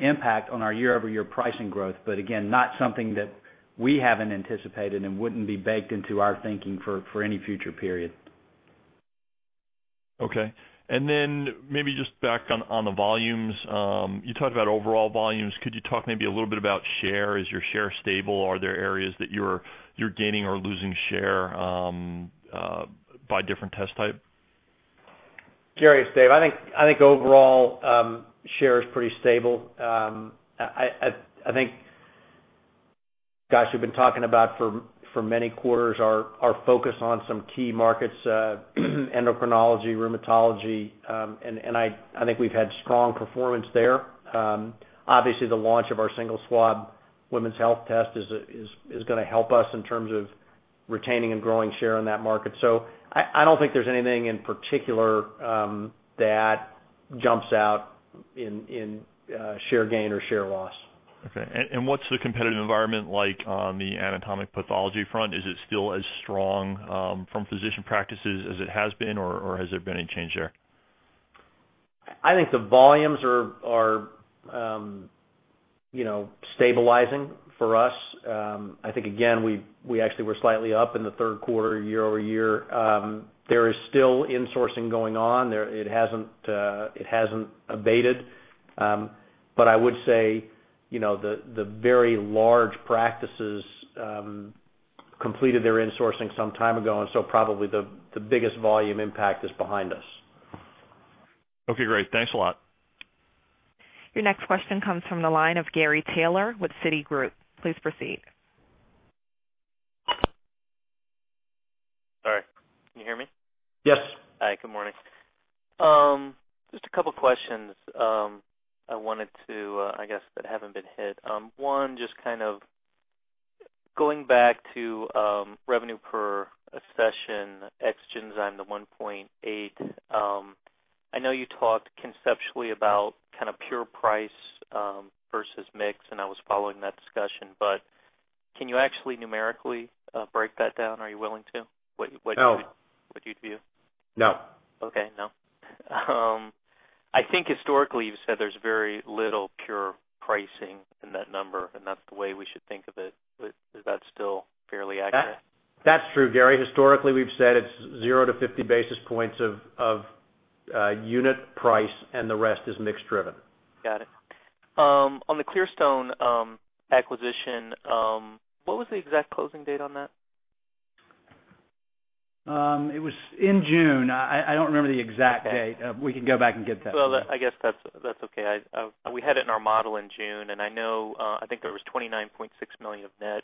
impact on our year-over-year pricing growth, but again, not something that we haven't anticipated and wouldn't be baked into our thinking for any future period. Okay. Maybe just back on the volumes, you talked about overall volumes. Could you talk maybe a little bit about share? Is your share stable? Are there areas that you're gaining or losing share by different test type? Gary, it's Dave. I think overall, share is pretty stable. I think, gosh, we've been talking about for many quarters our focus on some key markets, endocrinology, rheumatology, and I think we've had strong performance there. Obviously, the launch of our single swab women's health test is going to help us in terms of retaining and growing share in that market. I don't think there's anything in particular that jumps out in share gain or share loss. Okay. What is the competitive environment like on the anatomic pathology front? Is it still as strong from physician practices as it has been, or has there been any change there? I think the volumes are stabilizing for us. I think, again, we actually were slightly up in the third quarter year-over-year. There is still insourcing going on. It has not abated. I would say the very large practices completed their insourcing some time ago, and so probably the biggest volume impact is behind us. Okay. Great. Thanks a lot. Your next question comes from the line of Gary Taylor with Citigroup. Please proceed. Sorry. Can you hear me? Yes. Hi. Good morning. Just a couple of questions I wanted to, I guess, that haven't been hit. One, just kind of going back to revenue per session, X Genzyme, the 1.8. I know you talked conceptually about kind of pure price versus mix, and I was following that discussion, but can you actually numerically break that down? Are you willing to? What do you view? No. Okay. No. I think historically, you've said there's very little pure pricing in that number, and that's the way we should think of it. Is that still fairly accurate? That's true, Gary. Historically, we've said it's 0-50 basis points of unit price, and the rest is mix-driven. Got it. On the Clearstone acquisition, what was the exact closing date on that? It was in June. I don't remember the exact date. We can go back and get that. I guess that's okay. We had it in our model in June, and I think there was $29.6 million of net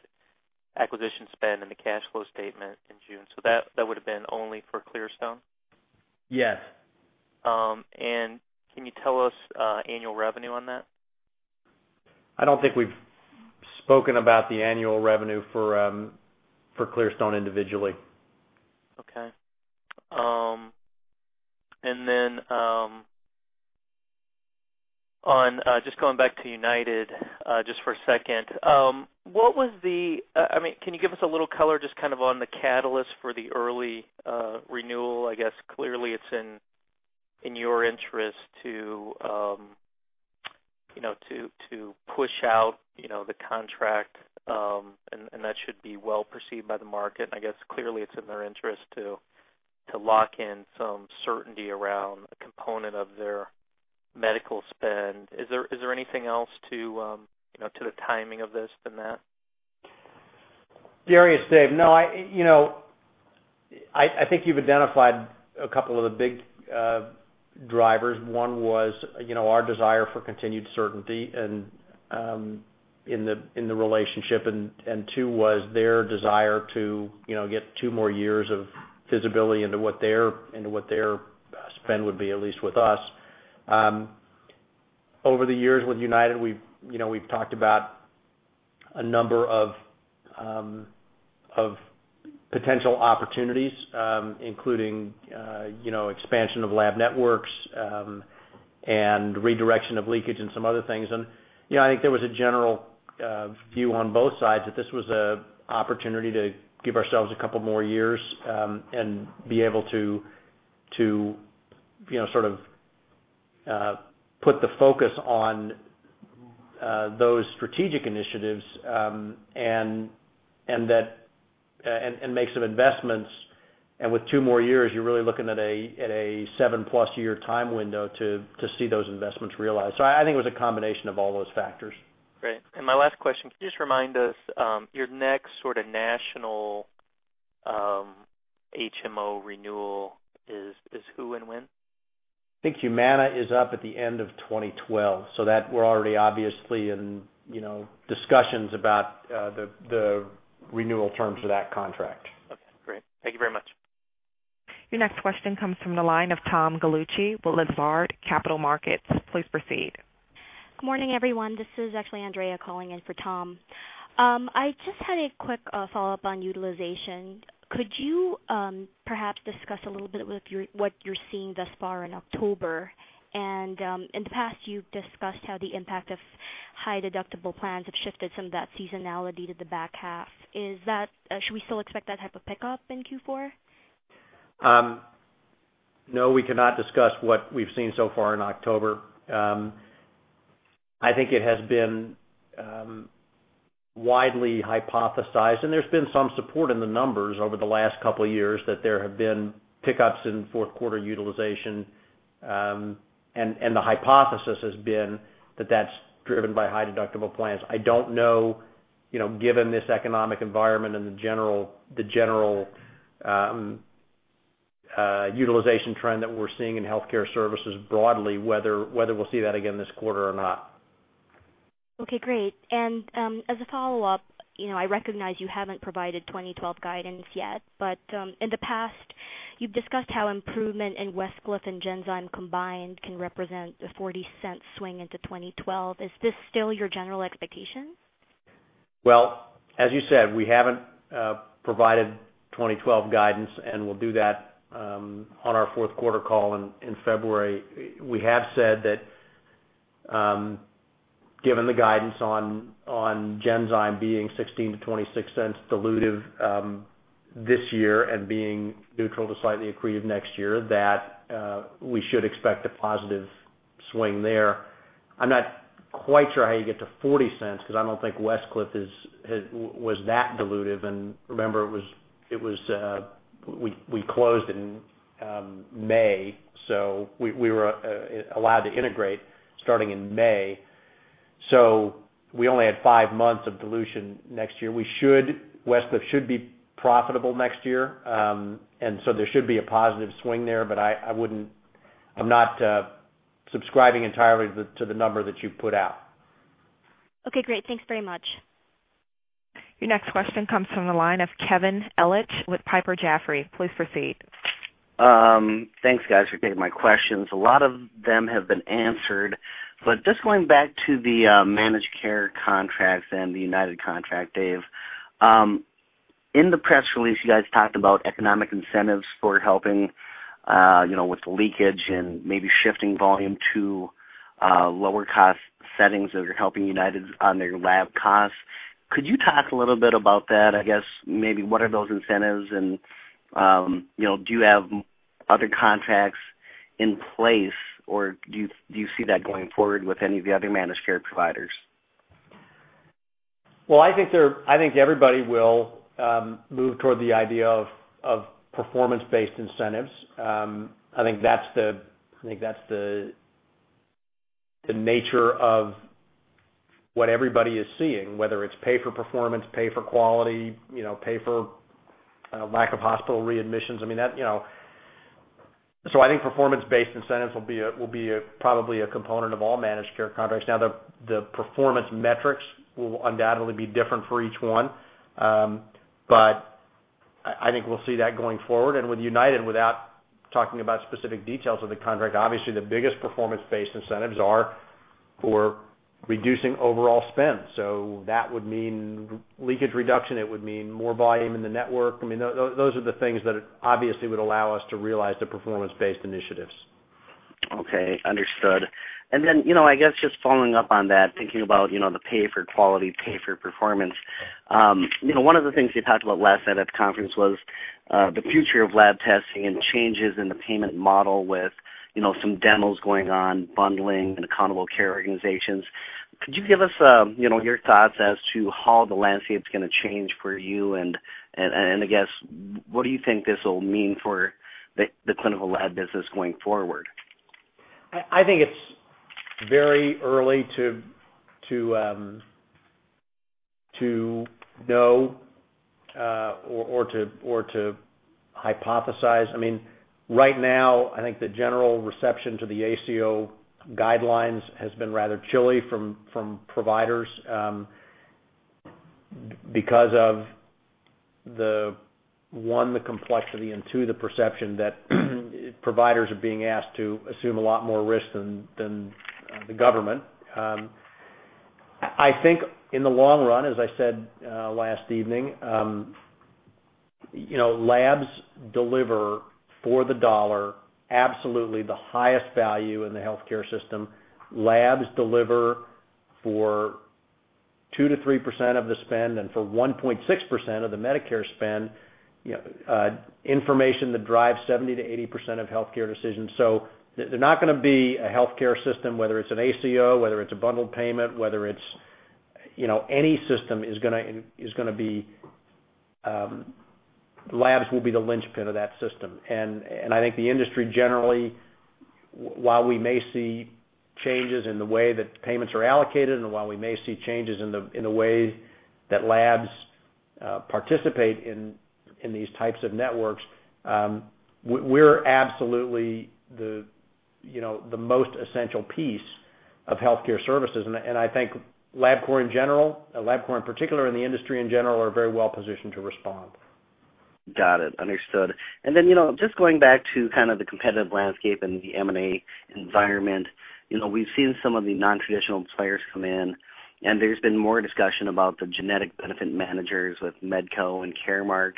acquisition spend in the cash flow statement in June. That would have been only for Clearstone? Yes. Can you tell us annual revenue on that? I don't think we've spoken about the annual revenue for Clearstone individually. Okay. And then just going back to United just for a second, what was the—I mean, can you give us a little color just kind of on the catalyst for the early renewal? I guess clearly it's in your interest to push out the contract, and that should be well perceived by the market. I guess clearly it's in their interest to lock in some certainty around a component of their medical spend. Is there anything else to the timing of this than that? Gary, it's Dave. No, I think you've identified a couple of the big drivers. One was our desire for continued certainty in the relationship, and two was their desire to get two more years of visibility into what their spend would be, at least with us. Over the years with United, we've talked about a number of potential opportunities, including expansion of lab networks and redirection of leakage and some other things. I think there was a general view on both sides that this was an opportunity to give ourselves a couple more years and be able to sort of put the focus on those strategic initiatives and make some investments. With two more years, you're really looking at a seven-plus-year time window to see those investments realized. I think it was a combination of all those factors. Great. My last question, can you just remind us your next sort of national HMO renewal is who and when? I think Humana is up at the end of 2012. So we're already obviously in discussions about the renewal terms of that contract. Okay. Great. Thank you very much. Your next question comes from the line of Tom Galeucci with Lazard Capital Markets. Please proceed. Good morning, everyone. This is actually Andrea calling in for Tom. I just had a quick follow-up on utilization. Could you perhaps discuss a little bit with what you're seeing thus far in October? In the past, you've discussed how the impact of high deductible plans have shifted some of that seasonality to the back half. Should we still expect that type of pickup in Q4? No, we cannot discuss what we've seen so far in October. I think it has been widely hypothesized, and there's been some support in the numbers over the last couple of years that there have been pickups in fourth-quarter utilization. The hypothesis has been that that's driven by high deductible plans. I don't know, given this economic environment and the general utilization trend that we're seeing in healthcare services broadly, whether we'll see that again this quarter or not. Okay. Great. As a follow-up, I recognize you haven't provided 2012 guidance yet, but in the past, you've discussed how improvement in Westcliff and Genzyme combined can represent a $0.40 swing into 2012. Is this still your general expectation? As you said, we haven't provided 2012 guidance, and we'll do that on our fourth-quarter call in February. We have said that given the guidance on Genzyme being $0.16-$0.26 dilutive this year and being neutral to slightly accretive next year, we should expect a positive swing there. I'm not quite sure how you get to $0.40 because I don't think Westcliff was that dilutive. Remember, we closed in May, so we were allowed to integrate starting in May. We only had five months of dilution next year. Westcliff should be profitable next year, and there should be a positive swing there, but I'm not subscribing entirely to the number that you've put out. Okay. Great. Thanks very much. Your next question comes from the line of Kevin Ellich with Piper Jaffray. Please proceed. Thanks, guys, for taking my questions. A lot of them have been answered. Just going back to the managed care contracts and the United contract, Dave, in the press release, you guys talked about economic incentives for helping with the leakage and maybe shifting volume to lower-cost settings that are helping United on their lab costs. Could you talk a little bit about that? I guess maybe what are those incentives, and do you have other contracts in place, or do you see that going forward with any of the other managed care providers? I think everybody will move toward the idea of performance-based incentives. I think that's the nature of what everybody is seeing, whether it's pay for performance, pay for quality, pay for lack of hospital readmissions. I mean, I think performance-based incentives will be probably a component of all managed care contracts. Now, the performance metrics will undoubtedly be different for each one, but I think we'll see that going forward. With United, without talking about specific details of the contract, obviously, the biggest performance-based incentives are for reducing overall spend. That would mean leakage reduction. It would mean more volume in the network. I mean, those are the things that obviously would allow us to realize the performance-based initiatives. Okay. Understood. I guess just following up on that, thinking about the pay for quality, pay for performance, one of the things you talked about last night at the conference was the future of lab testing and changes in the payment model with some demos going on, bundling, and accountable care organizations. Could you give us your thoughts as to how the landscape's going to change for you? I guess, what do you think this will mean for the clinical lab business going forward? I think it's very early to know or to hypothesize. I mean, right now, I think the general reception to the ACO guidelines has been rather chilly from providers because of, one, the complexity and, two, the perception that providers are being asked to assume a lot more risk than the government. I think in the long run, as I said last evening, labs deliver for the dollar absolutely the highest value in the healthcare system. Labs deliver for 2%-3% of the spend and for 1.6% of the Medicare spend. Information that drives 70%-80% of healthcare decisions. There is not going to be a healthcare system, whether it's an ACO, whether it's a bundled payment, whether it's any system, is going to be labs will be the linchpin of that system. I think the industry generally, while we may see changes in the way that payments are allocated and while we may see changes in the way that labs participate in these types of networks, we're absolutely the most essential piece of healthcare services. I think LabCorp in general, LabCorp in particular, and the industry in general are very well positioned to respond. Got it. Understood. Just going back to kind of the competitive landscape and the M&A environment, we've seen some of the non-traditional players come in, and there's been more discussion about the genetic benefit managers with Medco and Caremark.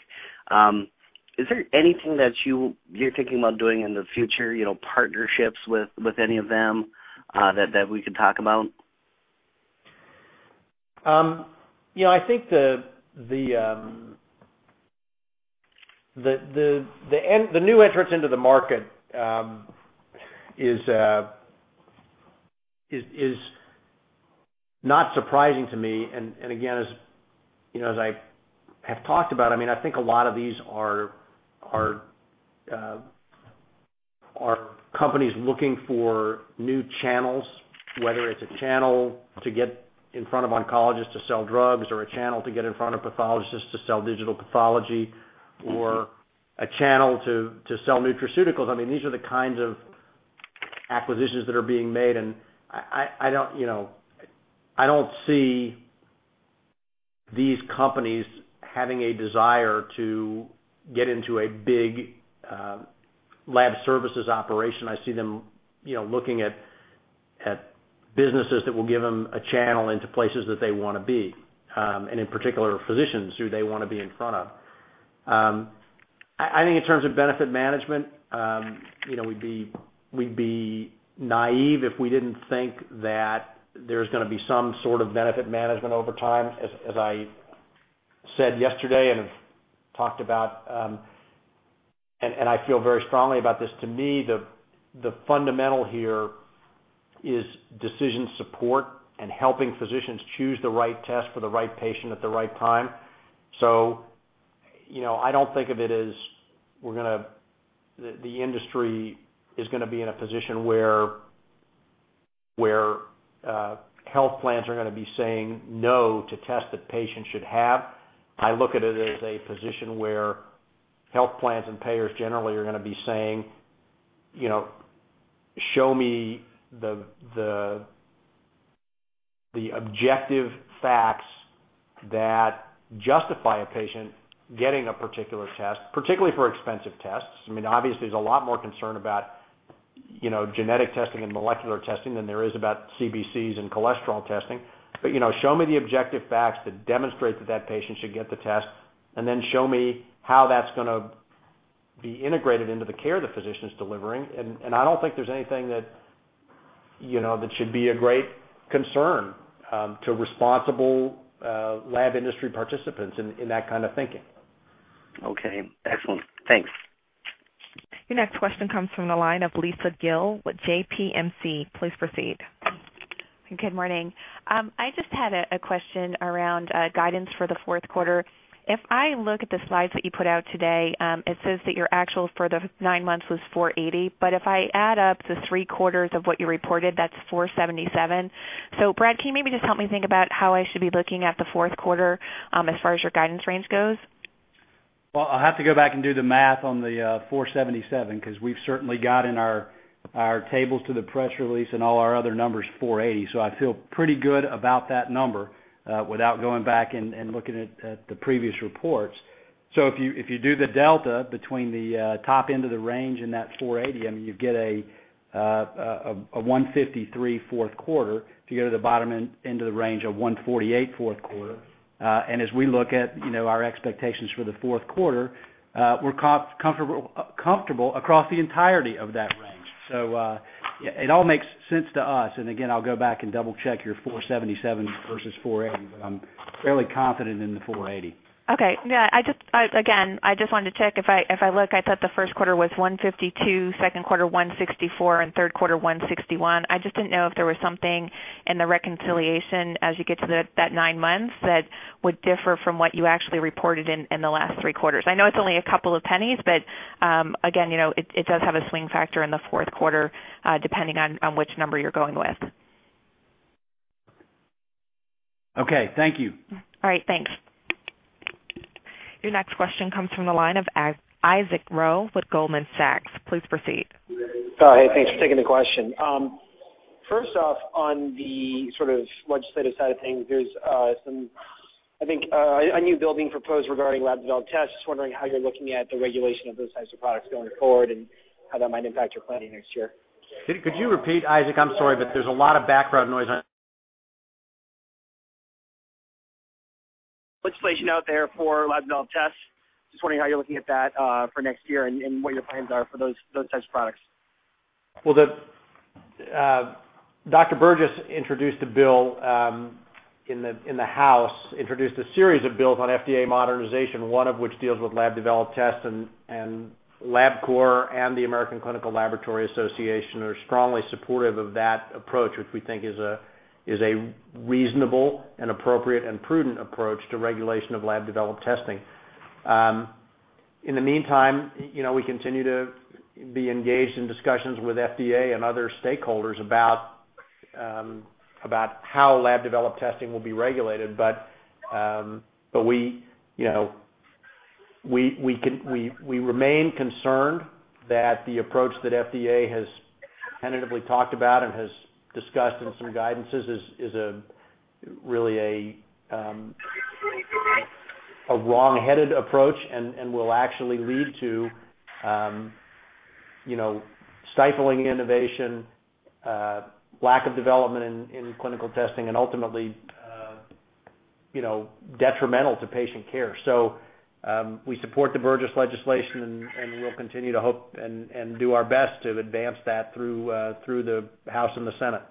Is there anything that you're thinking about doing in the future, partnerships with any of them that we could talk about? I think the new entrance into the market is not surprising to me. Again, as I have talked about, I mean, I think a lot of these are companies looking for new channels, whether it's a channel to get in front of oncologists to sell drugs or a channel to get in front of pathologists to sell digital pathology or a channel to sell nutraceuticals. I mean, these are the kinds of acquisitions that are being made. I do not see these companies having a desire to get into a big lab services operation. I see them looking at businesses that will give them a channel into places that they want to be, and in particular, physicians who they want to be in front of. I think in terms of benefit management, we'd be naive if we didn't think that there's going to be some sort of benefit management over time. As I said yesterday and have talked about, and I feel very strongly about this, to me, the fundamental here is decision support and helping physicians choose the right test for the right patient at the right time. I don't think of it as the industry is going to be in a position where health plans are going to be saying no to tests that patients should have. I look at it as a position where health plans and payers generally are going to be saying, "Show me the objective facts that justify a patient getting a particular test, particularly for expensive tests." I mean, obviously, there's a lot more concern about genetic testing and molecular testing than there is about CBCs and cholesterol testing. But show me the objective facts that demonstrate that that patient should get the test, and then show me how that's going to be integrated into the care the physician's delivering. I don't think there's anything that should be a great concern to responsible lab industry participants in that kind of thinking. Okay. Excellent. Thanks. Your next question comes from the line of Lisa Gill with JPMC. Please proceed. Good morning. I just had a question around guidance for the fourth quarter. If I look at the slides that you put out today, it says that your actual for the nine months was $480. But if I add up the three quarters of what you reported, that's $477. So Brad, can you maybe just help me think about how I should be looking at the fourth quarter as far as your guidance range goes? I'll have to go back and do the math on the 477 because we've certainly got in our tables to the press release and all our other numbers 480. I feel pretty good about that number without going back and looking at the previous reports. If you do the delta between the top end of the range and that 480, I mean, you get a 153 fourth quarter. If you go to the bottom end of the range, a 148 fourth quarter. As we look at our expectations for the fourth quarter, we're comfortable across the entirety of that range. It all makes sense to us. Again, I'll go back and double-check your 477 versus 480, but I'm fairly confident in the 480. Okay. Yeah. Again, I just wanted to check. If I look, I thought the first quarter was 152, second quarter 164, and third quarter 161. I just did not know if there was something in the reconciliation as you get to that nine months that would differ from what you actually reported in the last three quarters. I know it is only a couple of pennies, but again, it does have a swing factor in the fourth quarter depending on which number you are going with. Okay. Thank you. All right. Thanks. Your next question comes from the line of Isaac Ro with Goldman Sachs. Please proceed. Oh, hey. Thanks for taking the question. First off, on the sort of legislative side of things, there's some, I think, a new bill being proposed regarding lab-developed tests. Just wondering how you're looking at the regulation of those types of products going forward and how that might impact your planning next year. Could you repeat, Isaac? I'm sorry, but there's a lot of background noise on. Legislation out there for lab-developed tests. Just wondering how you're looking at that for next year and what your plans are for those types of products. Dr. Burgess introduced a bill in the House, introduced a series of bills on FDA modernization, one of which deals with lab-developed tests. LabCorp and the American Clinical Laboratory Association are strongly supportive of that approach, which we think is a reasonable, appropriate, and prudent approach to regulation of lab-developed testing. In the meantime, we continue to be engaged in discussions with FDA and other stakeholders about how lab-developed testing will be regulated. We remain concerned that the approach that FDA has tentatively talked about and has discussed in some guidances is really a wrong-headed approach and will actually lead to stifling innovation, lack of development in clinical testing, and ultimately detrimental to patient care. We support the Burgess Legislation, and we'll continue to hope and do our best to advance that through the House and the Senate.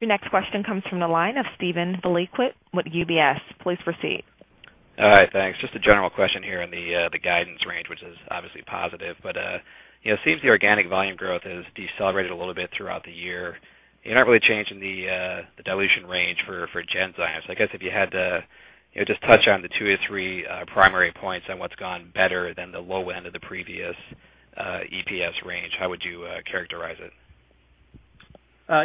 Your next question comes from the line of Steven Valiquette with UBS. Please proceed. All right. Thanks. Just a general question here on the guidance range, which is obviously positive. It seems the organic volume growth has decelerated a little bit throughout the year. You're not really changing the dilution range for Genzyme Genetics. I guess if you had to just touch on the two or three primary points on what's gone better than the low end of the previous EPS range, how would you characterize it?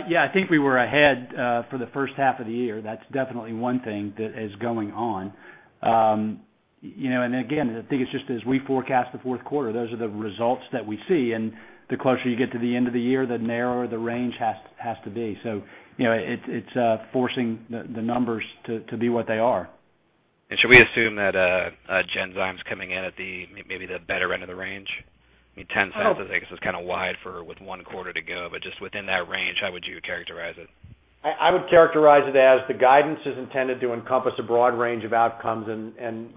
Yeah. I think we were ahead for the first half of the year. That's definitely one thing that is going on. Again, I think it's just as we forecast the fourth quarter, those are the results that we see. The closer you get to the end of the year, the narrower the range has to be. It's forcing the numbers to be what they are. Should we assume that Genzyme's coming in at maybe the better end of the range? I mean, $0.10 I guess, is kind of wide with one quarter to go. Just within that range, how would you characterize it? I would characterize it as the guidance is intended to encompass a broad range of outcomes, and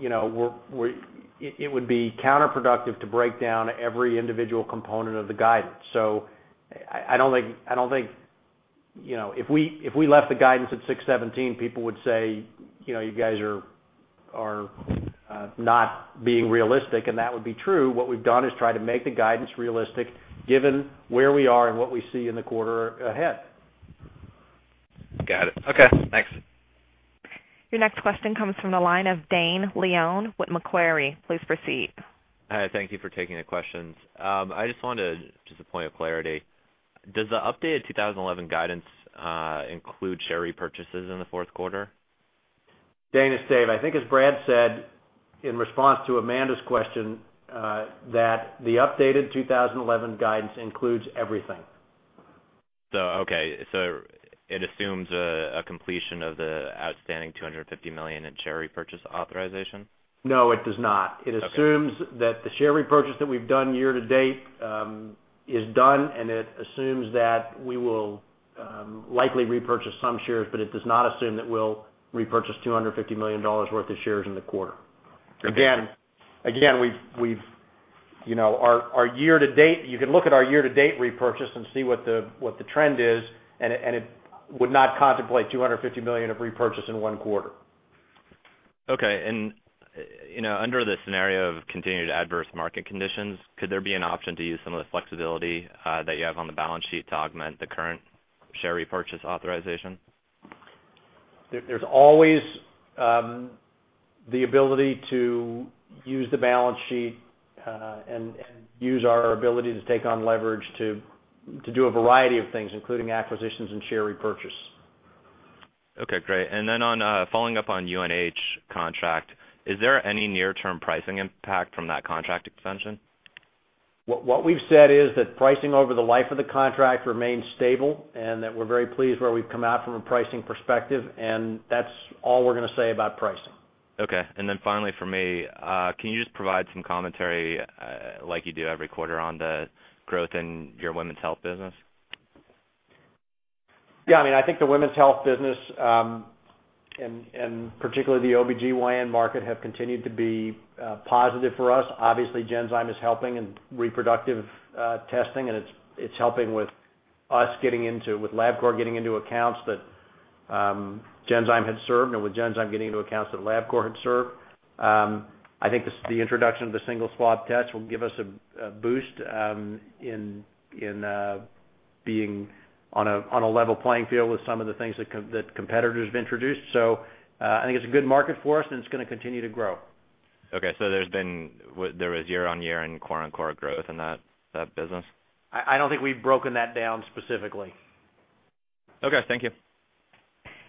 it would be counterproductive to break down every individual component of the guidance. I do not think if we left the guidance at 617, people would say, "You guys are not being realistic." That would be true. What we have done is try to make the guidance realistic given where we are and what we see in the quarter ahead. Got it. Okay. Thanks. Your next question comes from the line of Dane Leone with Macquarie. Please proceed. Hi. Thank you for taking the questions. I just wanted to just a point of clarity. Does the updated 2011 guidance include share repurchases in the fourth quarter? Dane is safe. I think, as Brad said in response to Amanda's question, that the updated 2011 guidance includes everything. Okay. So it assumes a completion of the outstanding $250 million in share repurchase authorization? No, it does not. It assumes that the share repurchase that we've done year to date is done, and it assumes that we will likely repurchase some shares, but it does not assume that we'll repurchase $250 million worth of shares in the quarter. Again, our year to date you can look at our year-to-date repurchase and see what the trend is, and it would not contemplate $250 million of repurchase in one quarter. Okay. Under the scenario of continued adverse market conditions, could there be an option to use some of the flexibility that you have on the balance sheet to augment the current share repurchase authorization? There's always the ability to use the balance sheet and use our ability to take on leverage to do a variety of things, including acquisitions and share repurchase. Okay. Great. And then following up on UNH contract, is there any near-term pricing impact from that contract extension? What we've said is that pricing over the life of the contract remains stable and that we're very pleased where we've come out from a pricing perspective. That's all we're going to say about pricing. Okay. Finally for me, can you just provide some commentary like you do every quarter on the growth in your women's health business? Yeah. I mean, I think the women's health business and particularly the OB-GYN market have continued to be positive for us. Obviously, Genzyme is helping in reproductive testing, and it's helping with us getting into, with LabCorp getting into accounts that Genzyme had served and with Genzyme getting into accounts that LabCorp had served. I think the introduction of the single swab test will give us a boost in being on a level playing field with some of the things that competitors have introduced. I think it's a good market for us, and it's going to continue to grow. Okay. So there was year-on-year and quarter-on-quarter growth in that business? I don't think we've broken that down specifically. Okay. Thank you.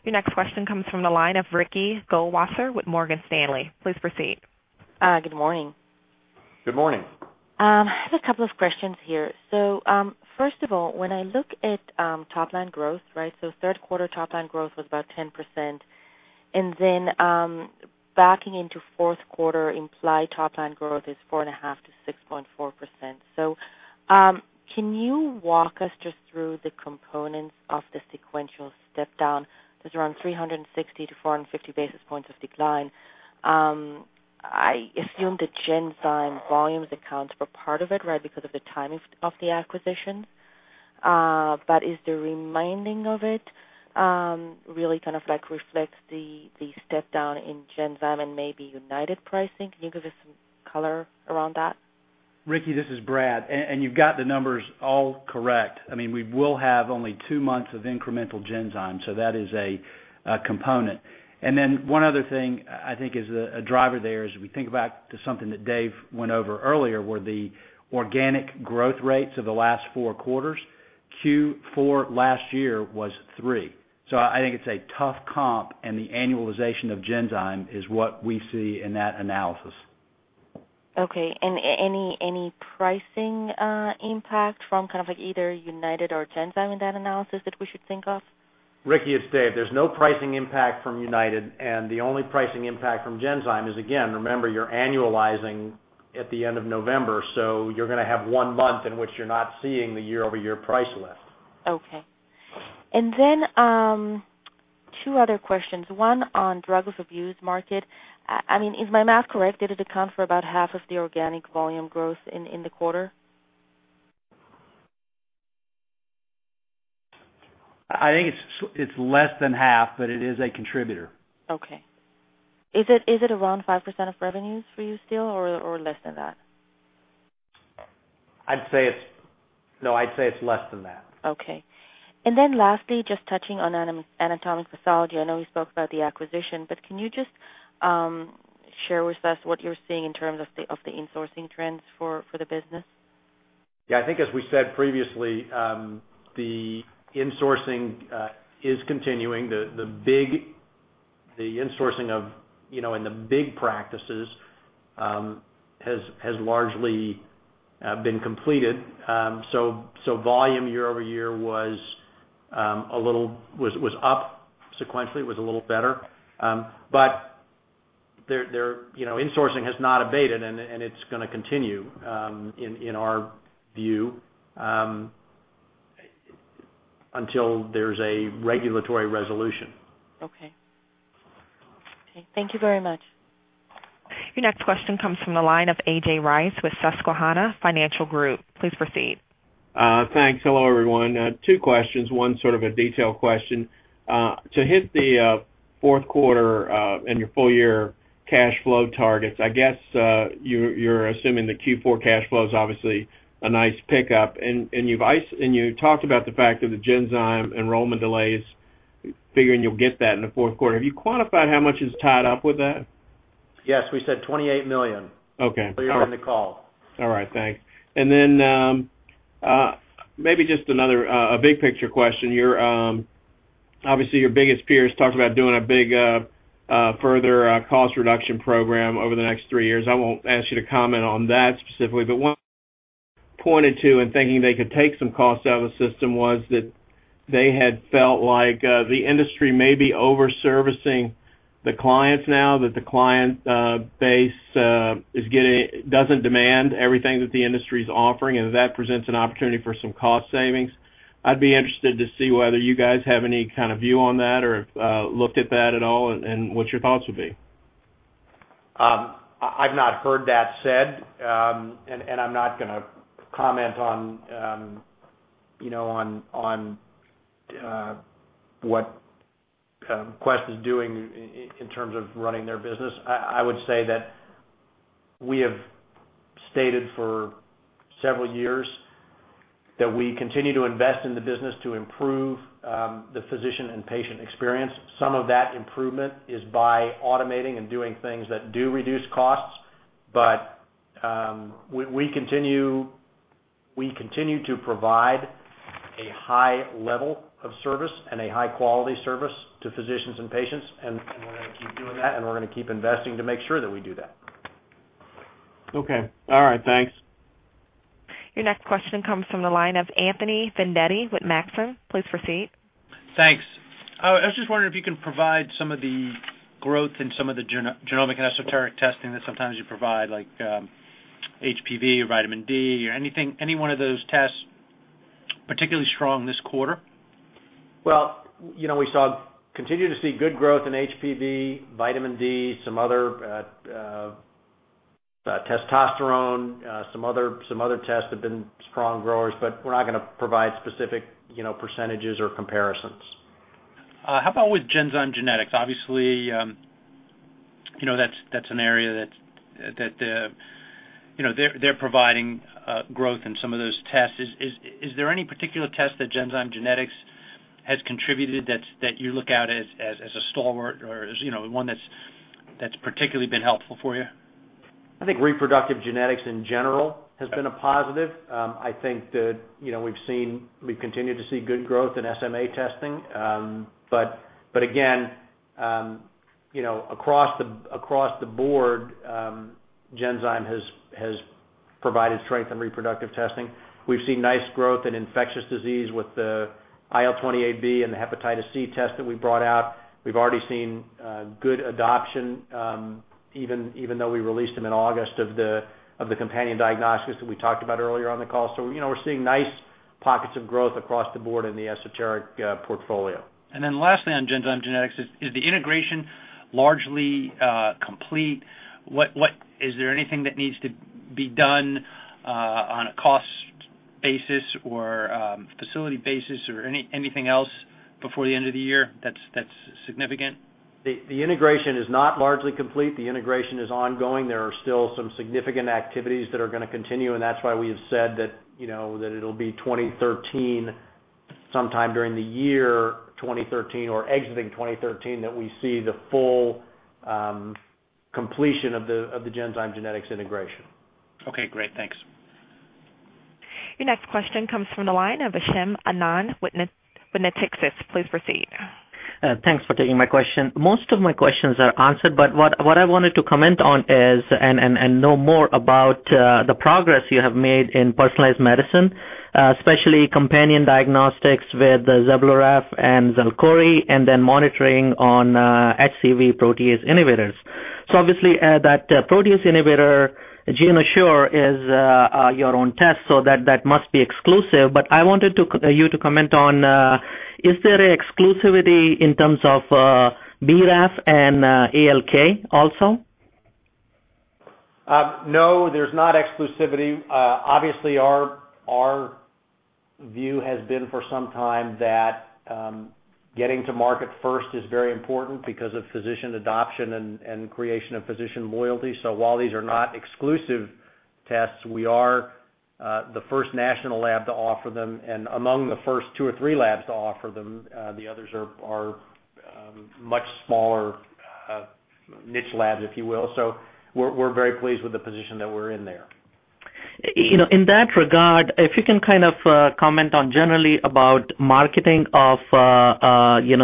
Your next question comes from the line of Ricky Goldwasser with Morgan Stanley. Please proceed. Good morning. Good morning. I have a couple of questions here. First of all, when I look at top-line growth, right, third quarter top-line growth was about 10%. Backing into fourth quarter, implied top-line growth is 4.5%-6.4%. Can you walk us just through the components of the sequential step-down? There is around 360-450 basis points of decline. I assume the Genzyme volumes account for part of it, right, because of the timing of the acquisitions. Is the remaining of it really kind of reflects the step-down in Genzyme and maybe United pricing? Can you give us some color around that? Ricky, this is Brad. And you've got the numbers all correct. I mean, we will have only two months of incremental Genzyme, so that is a component. And then one other thing I think is a driver there is we think back to something that Dave went over earlier, where the organic growth rates of the last four quarters, Q4 last year was 3. So I think it's a tough comp, and the annualization of Genzyme is what we see in that analysis. Okay. Any pricing impact from kind of either UnitedHealthcare or Genzyme in that analysis that we should think of? Ricky, it's Dave. There's no pricing impact from United, and the only pricing impact from Genzyme is, again, remember, you're annualizing at the end of November, so you're going to have one month in which you're not seeing the year-over-year price lift. Okay. And then two other questions. One on drugs of abuse market. I mean, is my math correct? Did it account for about half of the organic volume growth in the quarter? I think it's less than half, but it is a contributor. Okay. Is it around 5% of revenues for you still or less than that? No, I'd say it's less than that. Okay. Lastly, just touching on anatomic pathology, I know we spoke about the acquisition, but can you just share with us what you're seeing in terms of the insourcing trends for the business? Yeah. I think, as we said previously, the insourcing is continuing. The insourcing in the big practices has largely been completed. So volume year-over-year was up sequentially. It was a little better. But insourcing has not abated, and it's going to continue in our view until there's a regulatory resolution. Okay. Thank you very much. Your next question comes from the line of AJ Rice with Susquehanna Financial Group. Please proceed. Thanks. Hello, everyone. Two questions. One sort of a detailed question. To hit the fourth quarter and your full-year cash flow targets, I guess you're assuming the Q4 cash flow is obviously a nice pickup. You talked about the fact that the Genzyme enrollment delays, figuring you'll get that in the fourth quarter. Have you quantified how much is tied up with that? Yes. We said $28 million. Okay. During the call. All right. Thanks. Maybe just a big-picture question. Obviously, your biggest peers talked about doing a big further cost reduction program over the next three years. I will not ask you to comment on that specifically. One pointed to, in thinking they could take some costs out of the system, was that they had felt like the industry may be overservicing the clients now, that the client base does not demand everything that the industry is offering, and that presents an opportunity for some cost savings. I would be interested to see whether you guys have any kind of view on that or looked at that at all and what your thoughts would be. I've not heard that said, and I'm not going to comment on what Quest is doing in terms of running their business. I would say that we have stated for several years that we continue to invest in the business to improve the physician and patient experience. Some of that improvement is by automating and doing things that do reduce costs. We continue to provide a high level of service and a high-quality service to physicians and patients, and we're going to keep doing that, and we're going to keep investing to make sure that we do that. Okay. All right. Thanks. Your next question comes from the line of Anthony Vendetti with Maxim. Please proceed. Thanks. I was just wondering if you can provide some of the growth in some of the genomic and esoteric testing that sometimes you provide, like HPV or Vitamin D or any one of those tests, particularly strong this quarter? We continue to see good growth in HPV, Vitamin D, some other testosterone, some other tests have been strong growers, but we're not going to provide specific percentages or comparisons. How about with Genzyme Genetics? Obviously, that's an area that they're providing growth in some of those tests. Is there any particular test that Genzyme Genetics has contributed that you look at as a stalwart or one that's particularly been helpful for you? I think reproductive genetics in general has been a positive. I think that we've continued to see good growth in SMA testing. Again, across the board, Genzyme has provided strength in reproductive testing. We've seen nice growth in infectious disease with the IL-28B and the Hepatitis C test that we brought out. We've already seen good adoption, even though we released them in August, of the companion diagnostics that we talked about earlier on the call. We are seeing nice pockets of growth across the board in the esoteric portfolio. Lastly, on Genzyme Genetics, is the integration largely complete? Is there anything that needs to be done on a cost basis or facility basis or anything else before the end of the year that's significant? The integration is not largely complete. The integration is ongoing. There are still some significant activities that are going to continue, and that's why we have said that it'll be 2013, sometime during the year 2013 or exiting 2013, that we see the full completion of the Genzyme Genetics integration. Okay. Great. Thanks. Your next question comes from the line of Ashim Anand with Natixis. Please proceed. Thanks for taking my question. Most of my questions are answered, but what I wanted to comment on is and know more about the progress you have made in personalized medicine, especially companion diagnostics with Zelboraf and XALKORI, and then monitoring on HCV protease inhibitors. Obviously, that protease inhibitor, GeneAssure, is your own test, so that must be exclusive. I wanted you to comment on, is there exclusivity in terms of BRAF and ALK also? No, there's not exclusivity. Obviously, our view has been for some time that getting to market first is very important because of physician adoption and creation of physician loyalty. While these are not exclusive tests, we are the first national lab to offer them and among the first two or three labs to offer them. The others are much smaller niche labs, if you will. We are very pleased with the position that we're in there. In that regard, if you can kind of comment on generally about marketing of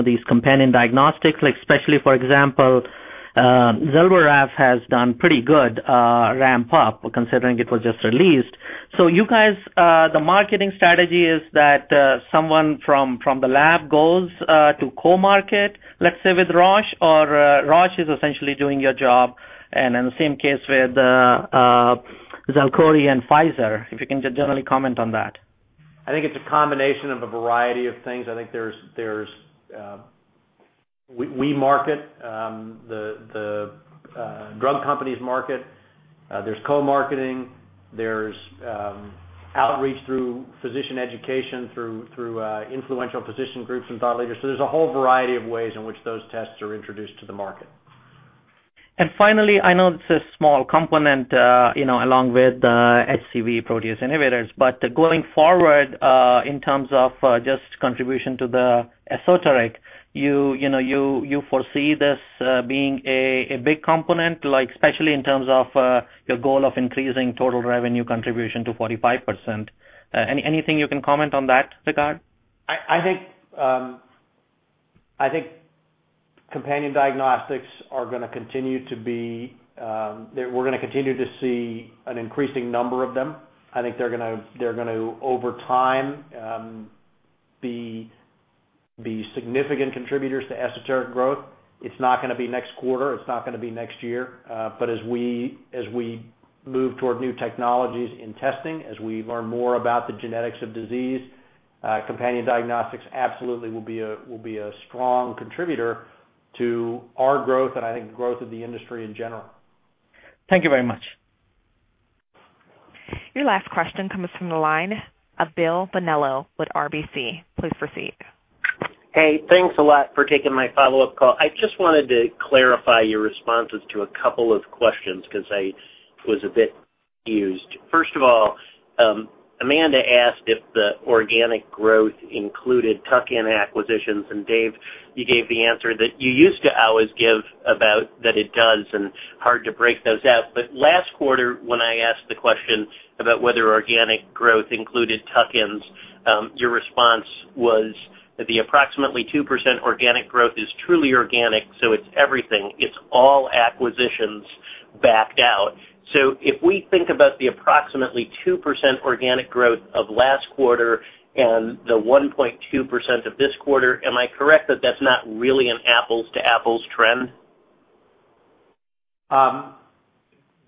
these companion diagnostics, especially, for example, Zelboraf has done pretty good ramp up considering it was just released. You guys, the marketing strategy is that someone from the lab goes to co-market, let's say, with Roche, or Roche is essentially doing your job? In the same case with XALKORI and Pfizer, if you can just generally comment on that. I think it's a combination of a variety of things. I think we market, the drug companies market. There's co-marketing. There's outreach through physician education, through influential physician groups and thought leaders. There is a whole variety of ways in which those tests are introduced to the market. Finally, I know it's a small component along with HCV protease inhibitors, but going forward in terms of just contribution to the esoteric, you foresee this being a big component, especially in terms of your goal of increasing total revenue contribution to 45%. Anything you can comment on that regard? I think companion diagnostics are going to continue to be, we're going to continue to see an increasing number of them. I think they're going to, over time, be significant contributors to esoteric growth. It's not going to be next quarter. It's not going to be next year. As we move toward new technologies in testing, as we learn more about the genetics of disease, companion diagnostics absolutely will be a strong contributor to our growth and I think the growth of the industry in general. Thank you very much. Your last question comes from the line of Bill Bonello with RBC. Please proceed. Hey, thanks a lot for taking my follow-up call. I just wanted to clarify your responses to a couple of questions because I was a bit confused. First of all, Amanda asked if the organic growth included tuck-in acquisitions, and Dave, you gave the answer that you used to always give about that it does and hard to break those out. Last quarter, when I asked the question about whether organic growth included tuck-ins, your response was that the approximately 2% organic growth is truly organic, so it's everything. It's all acquisitions backed out. If we think about the approximately 2% organic growth of last quarter and the 1.2% of this quarter, am I correct that that's not really an apples-to-apples trend?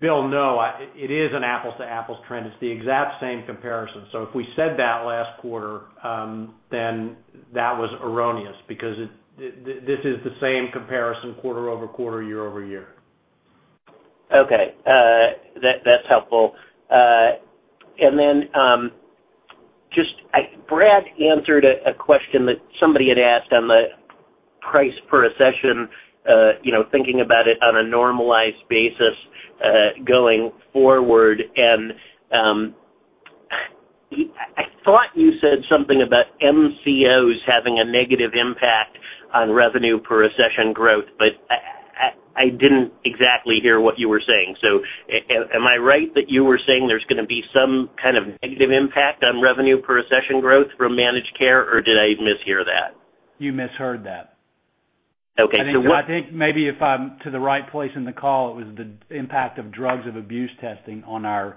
Bill, no. It is an apples-to-apples trend. It's the exact same comparison. If we said that last quarter, then that was erroneous because this is the same comparison quarter over quarter, year-over-year. Okay. That's helpful. Then Brad answered a question that somebody had asked on the price per accession, thinking about it on a normalized basis going forward. I thought you said something about MCOs having a negative impact on revenue per accession growth, but I did not exactly hear what you were saying. Am I right that you were saying there is going to be some kind of negative impact on revenue per accession growth from managed care, or did I mishear that? You misheard that. I think maybe if I'm to the right place in the call, it was the impact of drugs of abuse testing on our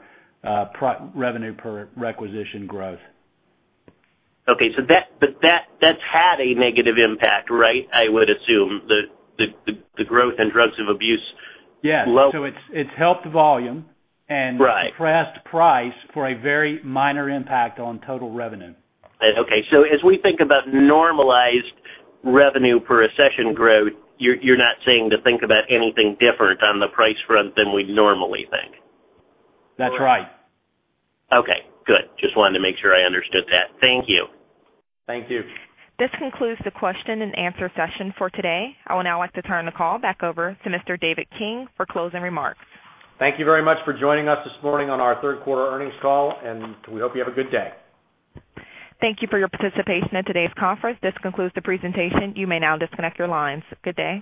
revenue per requisition growth. Okay. That has had a negative impact, right? I would assume, the growth in drugs of abuse? Yeah. So it's helped volume and suppressed price for a very minor impact on total revenue. Okay. So as we think about normalized revenue per accession growth, you're not saying to think about anything different on the price front than we normally think? That's right. Okay. Good. Just wanted to make sure I understood that. Thank you. Thank you. This concludes the question and answer session for today. I would now like to turn the call back over to Mr. David King for closing remarks. Thank you very much for joining us this morning on our third quarter earnings call, and we hope you have a good day. Thank you for your participation in today's conference. This concludes the presentation. You may now disconnect your lines. Good day.